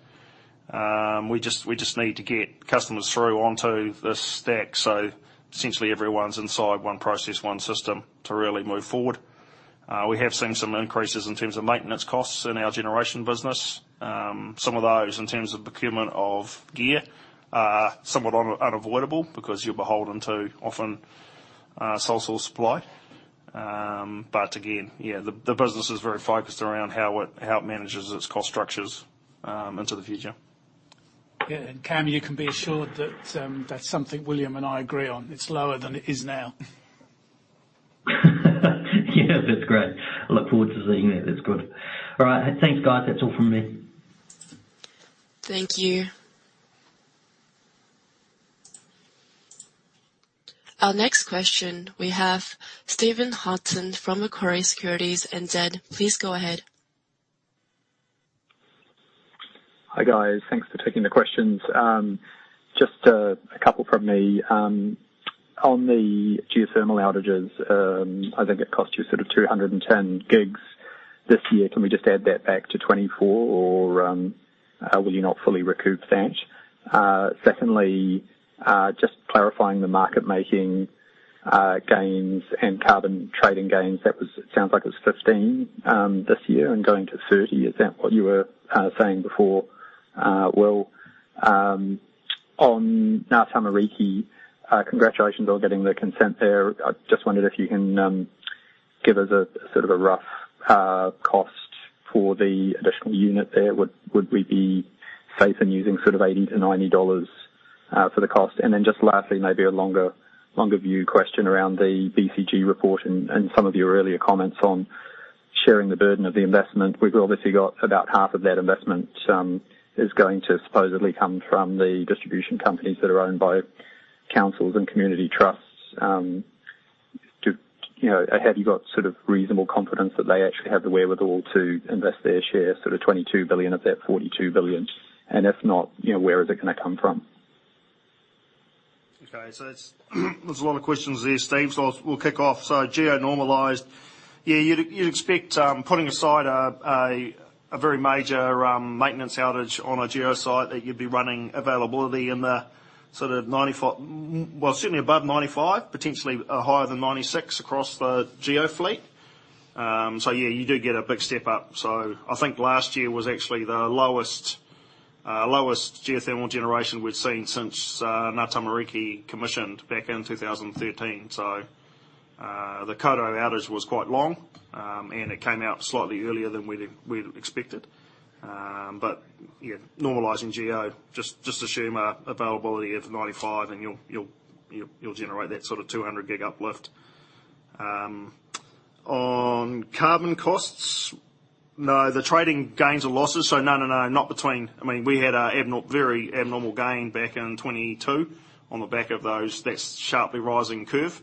We just, we just need to get customers through onto this stack, so essentially, everyone's inside one process, one system to really move forward. We have seen some increases in terms of maintenance costs in our generation business. Some of those in terms of procurement of gear, are somewhat unavoidable because you're beholden to often, sole source supply. Again, yeah, the business is very focused around how it, how it manages its cost structures, into the future. Yeah, Cam, you can be assured that that's something William and I agree on. It's lower than it is now. Yeah, that's great. I look forward to seeing it. That's good. All right. Thanks, guys. That's all from me. Thank you. Our next question, we have Steve Houghton from Macquarie Securities and NZ. Please go ahead. Hi, guys. Thanks for taking the questions. Just a couple from me. On the geothermal outages, I think it cost you sort of 210 gigs this year. Can we just add that back to FY24, or will you not fully recoup that? Secondly, just clarifying the market making gains and carbon trading gains, that was-- sounds like it was 15 this year and going to 30. Is that what you were saying before, Will? On Ngātamariki, congratulations on getting the consent there. I just wondered if you can give us a sort of a rough cost for the additional unit there. Would we be safe in using sort of 80-90 dollars for the cost? Then just lastly, maybe a longer, longer view question around the BCG report and some of your earlier comments on sharing the burden of the investment. We've obviously got about half of that investment is going to supposedly come from the distribution companies that are owned by councils and community trusts. You know, have you got sort of reasonable confidence that they actually have the wherewithal to invest their share, sort of 22 billion of that 42 billion? If not, you know, where is it gonna come from? Okay, it's there's a lot of questions there, Steve. We'll kick off. Geo-normalized. Yeah, you'd, you'd expect, putting aside a very major maintenance outage on a geo site, that you'd be running availability in the sort of 95... Well, certainly above 95, potentially higher than 96 across the geo fleet. Yeah, you do get a big step up. I think last year was actually the lowest, lowest geothermal generation we've seen since Ngātamariki commissioned back in 2013. The Koto outage was quite long, and it came out slightly earlier than we'd, we'd expected. Yeah, normalizing geo, just, just assume a availability of 95, and you'll, you'll, you'll, you'll generate that sort of 200 gig uplift. On carbon costs, no, the trading gains or losses? No, no, no, not between... I mean, we had a very abnormal gain back in 2022 on the back of those. That's sharply rising curve.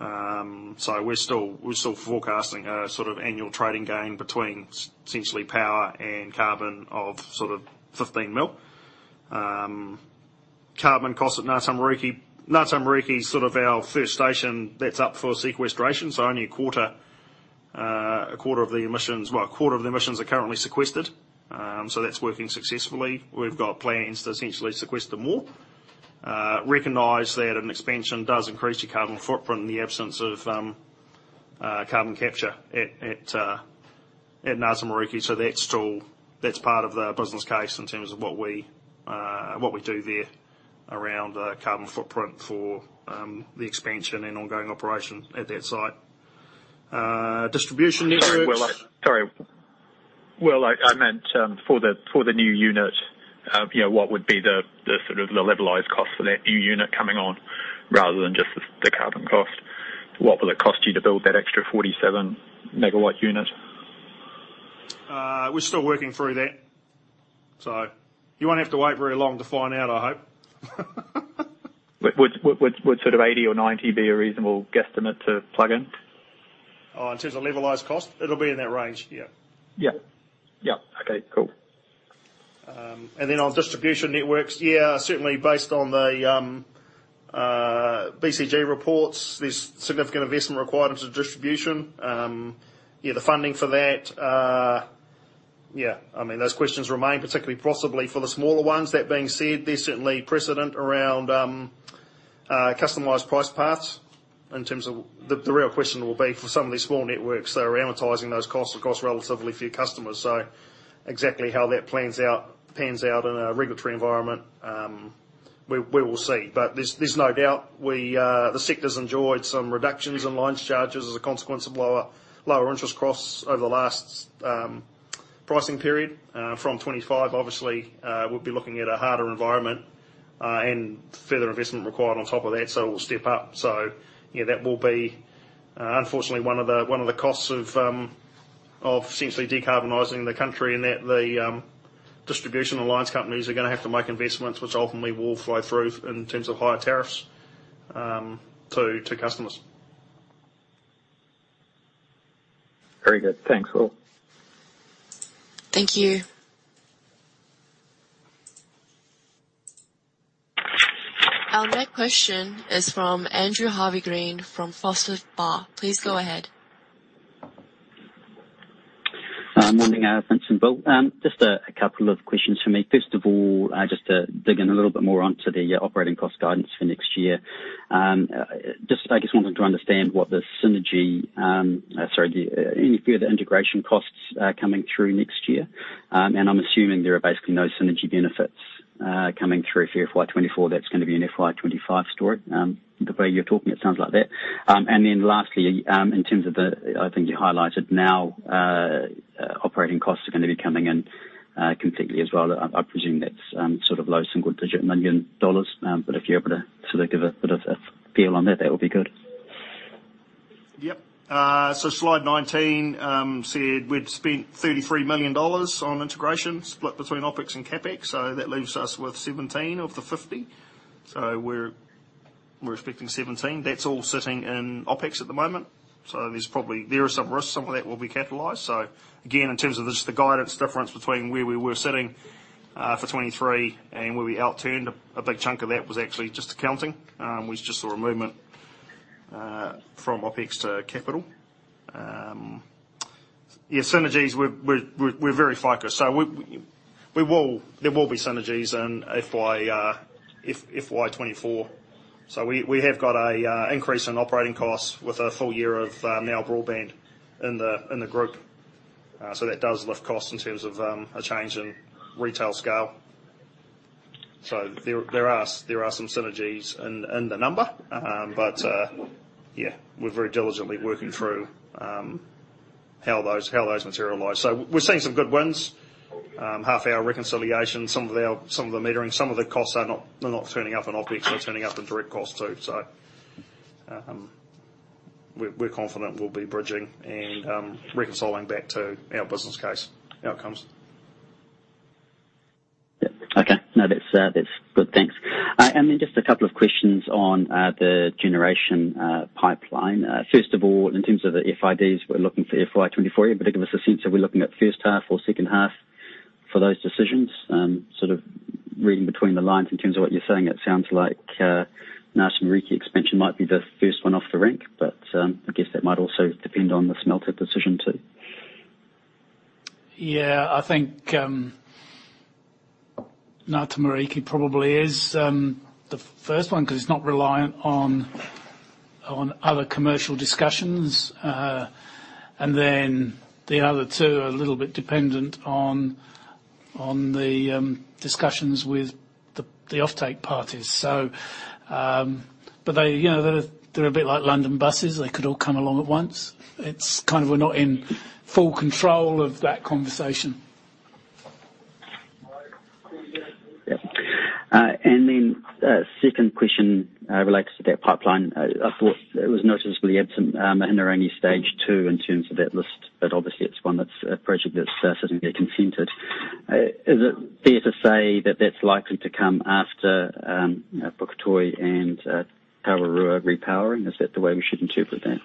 We're still, we're still forecasting a sort of annual trading gain between essentially power and carbon of sort of 15 million. Carbon cost at Ngātamariki, Ngātamariki is sort of our first station that's up for sequestration, so only a quarter, a quarter of the emissions, well, a quarter of the emissions are currently sequestered. That's working successfully. We've got plans to essentially sequester more. Recognize that an expansion does increase your carbon footprint in the absence of carbon capture at, at, at Ngātamariki. That's still, that's part of the business case in terms of what we, what we do there around the carbon footprint for, the expansion and ongoing operation at that site. Distribution networks- Sorry, Will, I meant, for the, for the new unit, you know, what would be the, the sort of the levelized cost for that new unit coming on, rather than just the, the carbon cost? What will it cost you to build that extra 47 megawatt unit? We're still working through that, so you won't have to wait very long to find out, I hope. Would, would, would, would sort of 80 or 90 be a reasonable guesstimate to plug in? Oh, in terms of levelized cost? It'll be in that range, yeah. Yeah. Yeah. Okay, cool. Then on distribution networks, yeah, certainly based on the BCG reports, there's significant investment required into distribution. Yeah, the funding for that, yeah, I mean, those questions remain, particularly possibly for the smaller ones. That being said, there's certainly precedent around customized price paths in terms of, the real question will be for some of these small networks, they're amortizing those costs across relatively few customers. So exactly how that plans out, pans out in a regulatory environment, we will see. There's, there's no doubt we, the sector's enjoyed some reductions in lines charges as a consequence of lower interest costs over the last pricing period. From 2025, obviously, we'll be looking at a harder environment, and further investment required on top of that, so we'll step up. Yeah, that will be, unfortunately one of the, one of the costs of, of essentially decarbonizing the country, in that the, distribution lines companies are gonna have to make investments, which ultimately will flow through in terms of higher tariffs, to, to customers. Very good. Thanks, Will. Thank you. Our next question is from Andrew Harvey-Green from Forsyth Barr. Please go ahead. Morning, Vincent and Bill. Just a couple of questions from me. First of all, just to dig in a little bit more onto the operating cost guidance for next year. Just, I just wanted to understand what the synergy, sorry, the any further integration costs coming through next year? I'm assuming there are basically no synergy benefits coming through for FY24. That's gonna be an FY25 story. The way you're talking, it sounds like that. Then lastly, in terms of the I think you highlighted now, operating costs are gonna be coming in completely as well. I presume that's sort of low single digit million dollars, but if you're able to sort of give a bit of a feel on that, that would be good.... Yep, slide 19, said we'd spent 33 million dollars on integration, split between OpEx and CapEx, that leaves us with 17 of the 50. We're, we're expecting 17. That's all sitting in OpEx at the moment, there's probably... There are some risks some of that will be capitalized. Again, in terms of just the guidance difference between where we were sitting, for 2023 and where we outturned, a, a big chunk of that was actually just accounting. We just saw a movement from OpEx to capital. Yeah, synergies, we're, we're, we're very focused. There will be synergies in FY, FY, FY 2024. We, we have got a increase in operating costs with a full year of NOW broadband in the, in the group. That does lift costs in terms of a change in retail scale. There, there are, there are some synergies in, in the number. Yeah, we're very diligently working through how those, how those materialize. We're seeing some good wins. Half our reconciliation, some of our, some of the metering, some of the costs are not, they're not turning up in OpEx, they're turning up in direct costs, too. We're, we're confident we'll be bridging and reconciling back to our business case outcomes. Yep. Okay. No, that's good. Thanks. Just a couple of questions on the generation pipeline. First of all, in terms of the FIDs, we're looking for FY24, yeah, give us a sense of are we looking at first half or second half for those decisions? Sort of reading between the lines in terms of what you're saying, it sounds like Ngātamariki expansion might be the first one off the rank, I guess that might also depend on the smelter decision, too. Yeah, I think, Ngātamariki probably is the first one, because it's not reliant on, on other commercial discussions. Then the other two are a little bit dependent on, on the discussions with the, the offtake parties. They, you know, they're, they're a bit like London buses. They could all come along at once. It's kind of we're not in full control of that conversation. Yep. Second question relates to that pipeline. I thought it was noticeably absent in the Mahinerangi Stage Two in terms of that list, but obviously it's one that's a project that's sitting there consented. Is it fair to say that that's likely to come after Puketoi and Tararua repowering? Is that the way we should interpret that?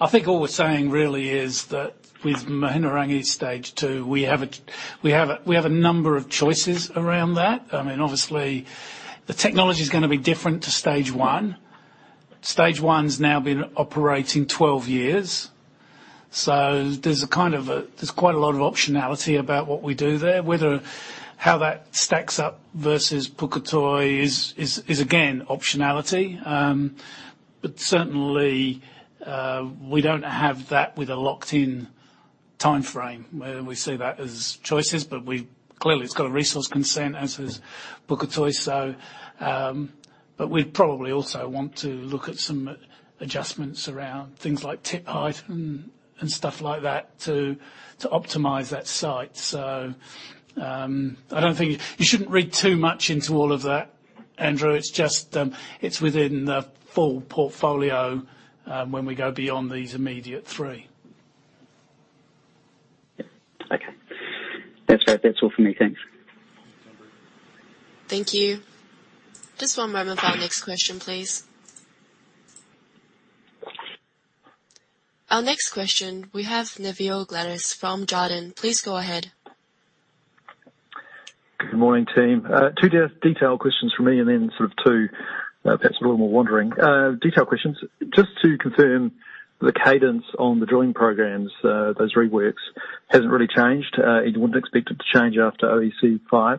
I think all we're saying really is that with Mahinerangi Stage Two, we have a number of choices around that. I mean, obviously the technology is gonna be different to Stage One. Stage One's now been operating 12 years, so there's a kind of a, there's quite a lot of optionality about what we do there. Whether, how that stacks up versus Puketoi is, is, is again, optionality. Certainly, we don't have that with a locked-in timeframe, where we see that as choices. We've clearly, it's got a resource consent, as has Puketoi, so, but we'd probably also want to look at some adjustments around things like tip height and, and stuff like that to, to optimize that site. I don't think. You shouldn't read too much into all of that, Andrew. It's just, it's within the full portfolio, when we go beyond these immediate three. Yep. Okay. That's, that's all for me. Thanks. Thank you. Just one moment for our next question, please. Our next question, we have Nevill Gluyas from Jarden. Please go ahead. Good morning, team. two detail questions from me, Then sort of two, perhaps a little more wandering. Detail questions: Just to confirm, the cadence on the drilling programs, those reworks, hasn't really changed, and you wouldn't expect it to change after OEC5?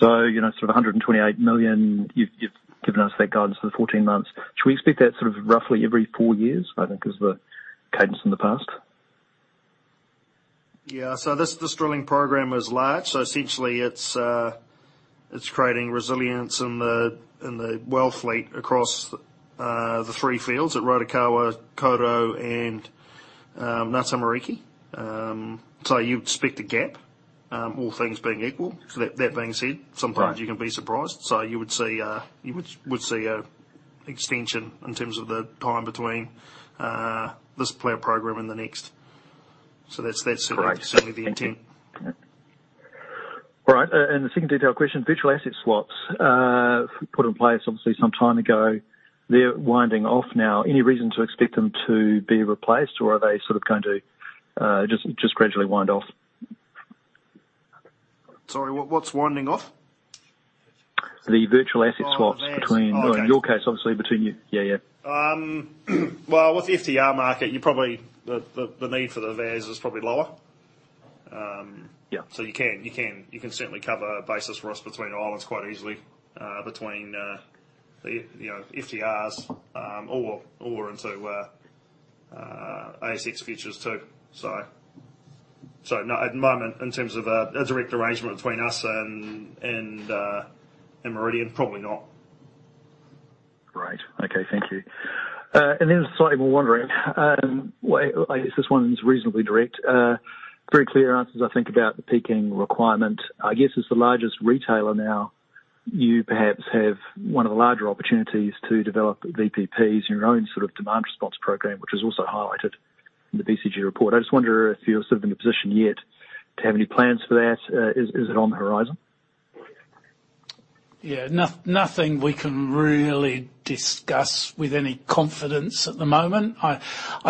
You know, sort of 128 million, you've, you've given us that guidance for the 14 months. Should we expect that sort of roughly every four years, I think is the cadence in the past? Yeah. This, this drilling program is large, essentially, it's creating resilience in the, in the well fleet across the 3 fields at Rotokawa, Kawerau, and Ngātamariki. You'd expect a gap, all things being equal. That, that being said, sometimes you can be surprised. Right. You would see a, you would see a extension in terms of the time between, this planned program and the next. So that's. Correct. certainly the intent. Thank you. All right, the second detail question, Virtual Asset Swaps. Put in place obviously some time ago. They're winding off now. Any reason to expect them to be replaced, or are they sort of going to just gradually wind off? Sorry, what, what's winding off? The virtual asset swaps... Oh, the VAS. between, well, in your case, obviously between you. Yeah, yeah. Well, with the FTR market, you probably, the, the, the need for the VAS is probably lower. Yeah. You can, you can, you can certainly cover a basis for us between islands quite easily, between, the, you know, FTRs, or, or into, ASX futures, too. So, no, at the moment, in terms of a, a direct arrangement between us and, and, Meridian, probably not. Great. Okay, thank you.... Then slightly more wondering, well, I guess this one is reasonably direct. Very clear answers, I think, about the peaking requirement. I guess as the largest retailer now, you perhaps have one of the larger opportunities to develop VPPs in your own sort of demand response program, which is also highlighted in the BCG report. I just wonder if you're sort of in a position yet to have any plans for that. Is, is it on the horizon? Yeah. Nothing we can really discuss with any confidence at the moment. I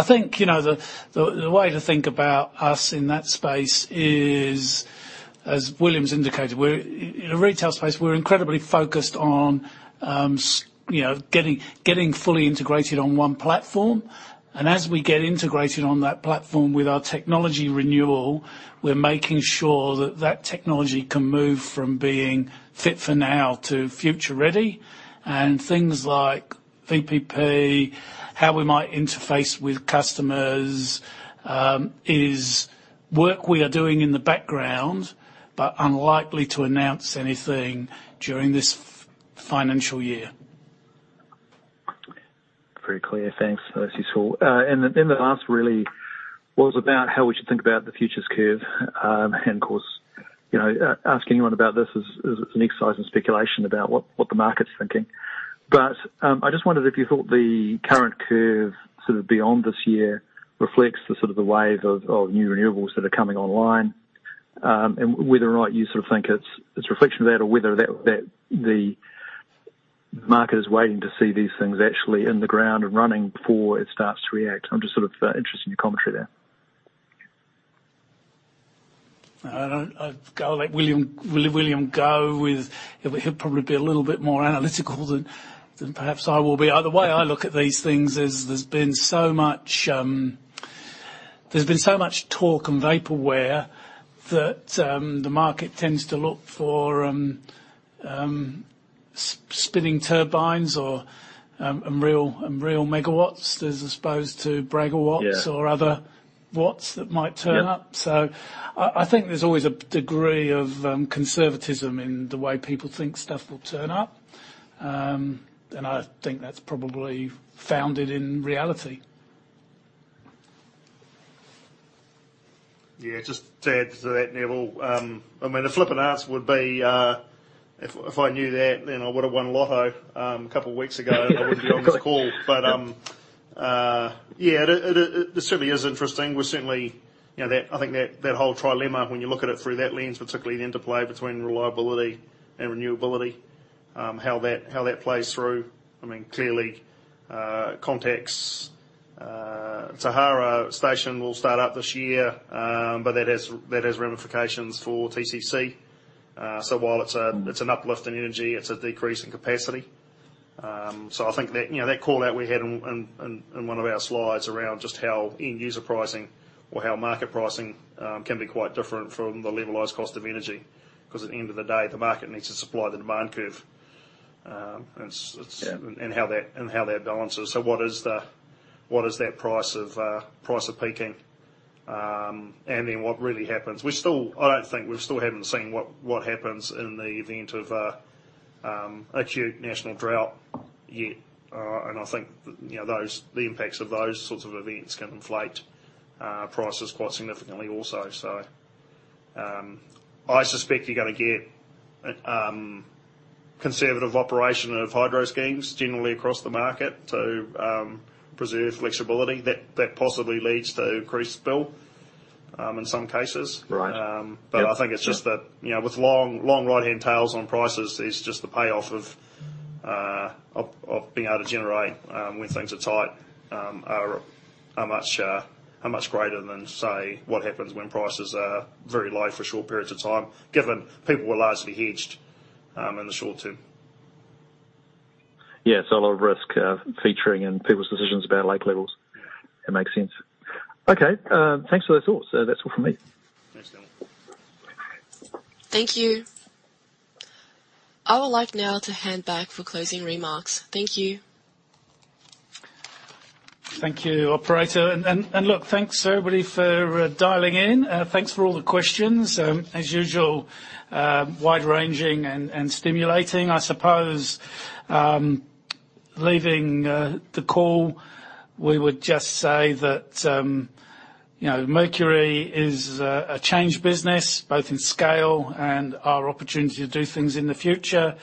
think, you know, the, the, the way to think about us in that space is, as William's indicated, we're. In a retail space, we're incredibly focused on, you know, getting, getting fully integrated on one platform. As we get integrated on that platform with our technology renewal, we're making sure that that technology can move from being fit for now to future ready. Things like VPP, how we might interface with customers, is work we are doing in the background, but unlikely to announce anything during this financial year. Very clear. Thanks. That's useful. Then the last really was about how we should think about the futures curve. Of course, you know, ask anyone about this is, is it's an exercise in speculation about what, what the market's thinking. I just wondered if you thought the current curve, sort of beyond this year, reflects the sort of the wave of, of new renewables that are coming online, and whether or not you sort of think it's, it's a reflection of that, or whether that, that the market is waiting to see these things actually in the ground and running before it starts to react. I'm just sort of interested in your commentary there. I don't. I'll let William, William go with. He'll probably be a little bit more analytical than, than perhaps I will be. The way I look at these things is there's been so much, there's been so much talk and vaporware that the market tends to look for spinning turbines or and real, and real megawatts as opposed to braggawatts. Yeah or other watts that might turn up. Yeah. I, I think there's always a degree of conservatism in the way people think stuff will turn up. I think that's probably founded in reality. Yeah, just to add to that, Nevill, I mean, the flippant answer would be, if, if I knew that, then I would have won lotto, a couple weeks ago, and I wouldn't be on this call. Yeah, it, it, it certainly is interesting. We're certainly, you know, I think that that whole trilemma, when you look at it through that lens, particularly the interplay between reliability and renewability, how that, how that plays through. I mean, clearly, Contact's Tauhara Station will start up this year, but that has, that has ramifications for TCC. While it's a, it's an uplift in energy, it's a decrease in capacity. I think that, you know, that call-out we had in, in, in, in one of our slides around just how end user pricing or how market pricing, can be quite different from the levelized cost of energy, 'cause at the end of the day, the market needs to supply the demand curve. Yeah How that, and how that balances. What is the, what is that price of, price of peaking? What really happens? We still... I don't think we still haven't seen what, what happens in the event of a acute national drought yet. I think, you know, those, the impacts of those sorts of events can inflate, prices quite significantly also. I suspect you're gonna get, conservative operation of hydro schemes generally across the market to, preserve flexibility. That possibly leads to increased bill, in some cases. Right. Um- Yep. I think it's just that, you know, with long, long right-hand tails on prices, it's just the payoff of, of, of being able to generate, when things are tight, are, are much, are much greater than, say, what happens when prices are very low for short periods of time, given people were largely hedged in the short term. Yeah, a lot of risk, featuring in people's decisions about lake levels. Yeah. It makes sense. Okay, thanks for those thoughts. That's all for me. Thanks, Nevill. Thank you. I would like now to hand back for closing remarks. Thank you. Thank you, operator. Look, thanks, everybody, for dialing in. Thanks for all the questions. As usual, wide-ranging and stimulating, I suppose. Leaving the call, we would just say that, you know, Mercury is a change business, both in scale and our opportunity to do things in the future.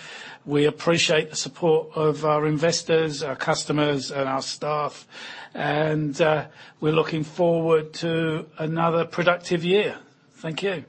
We appreciate the support of our investors, our customers, and our staff, and we're looking forward to another productive year. Thank you.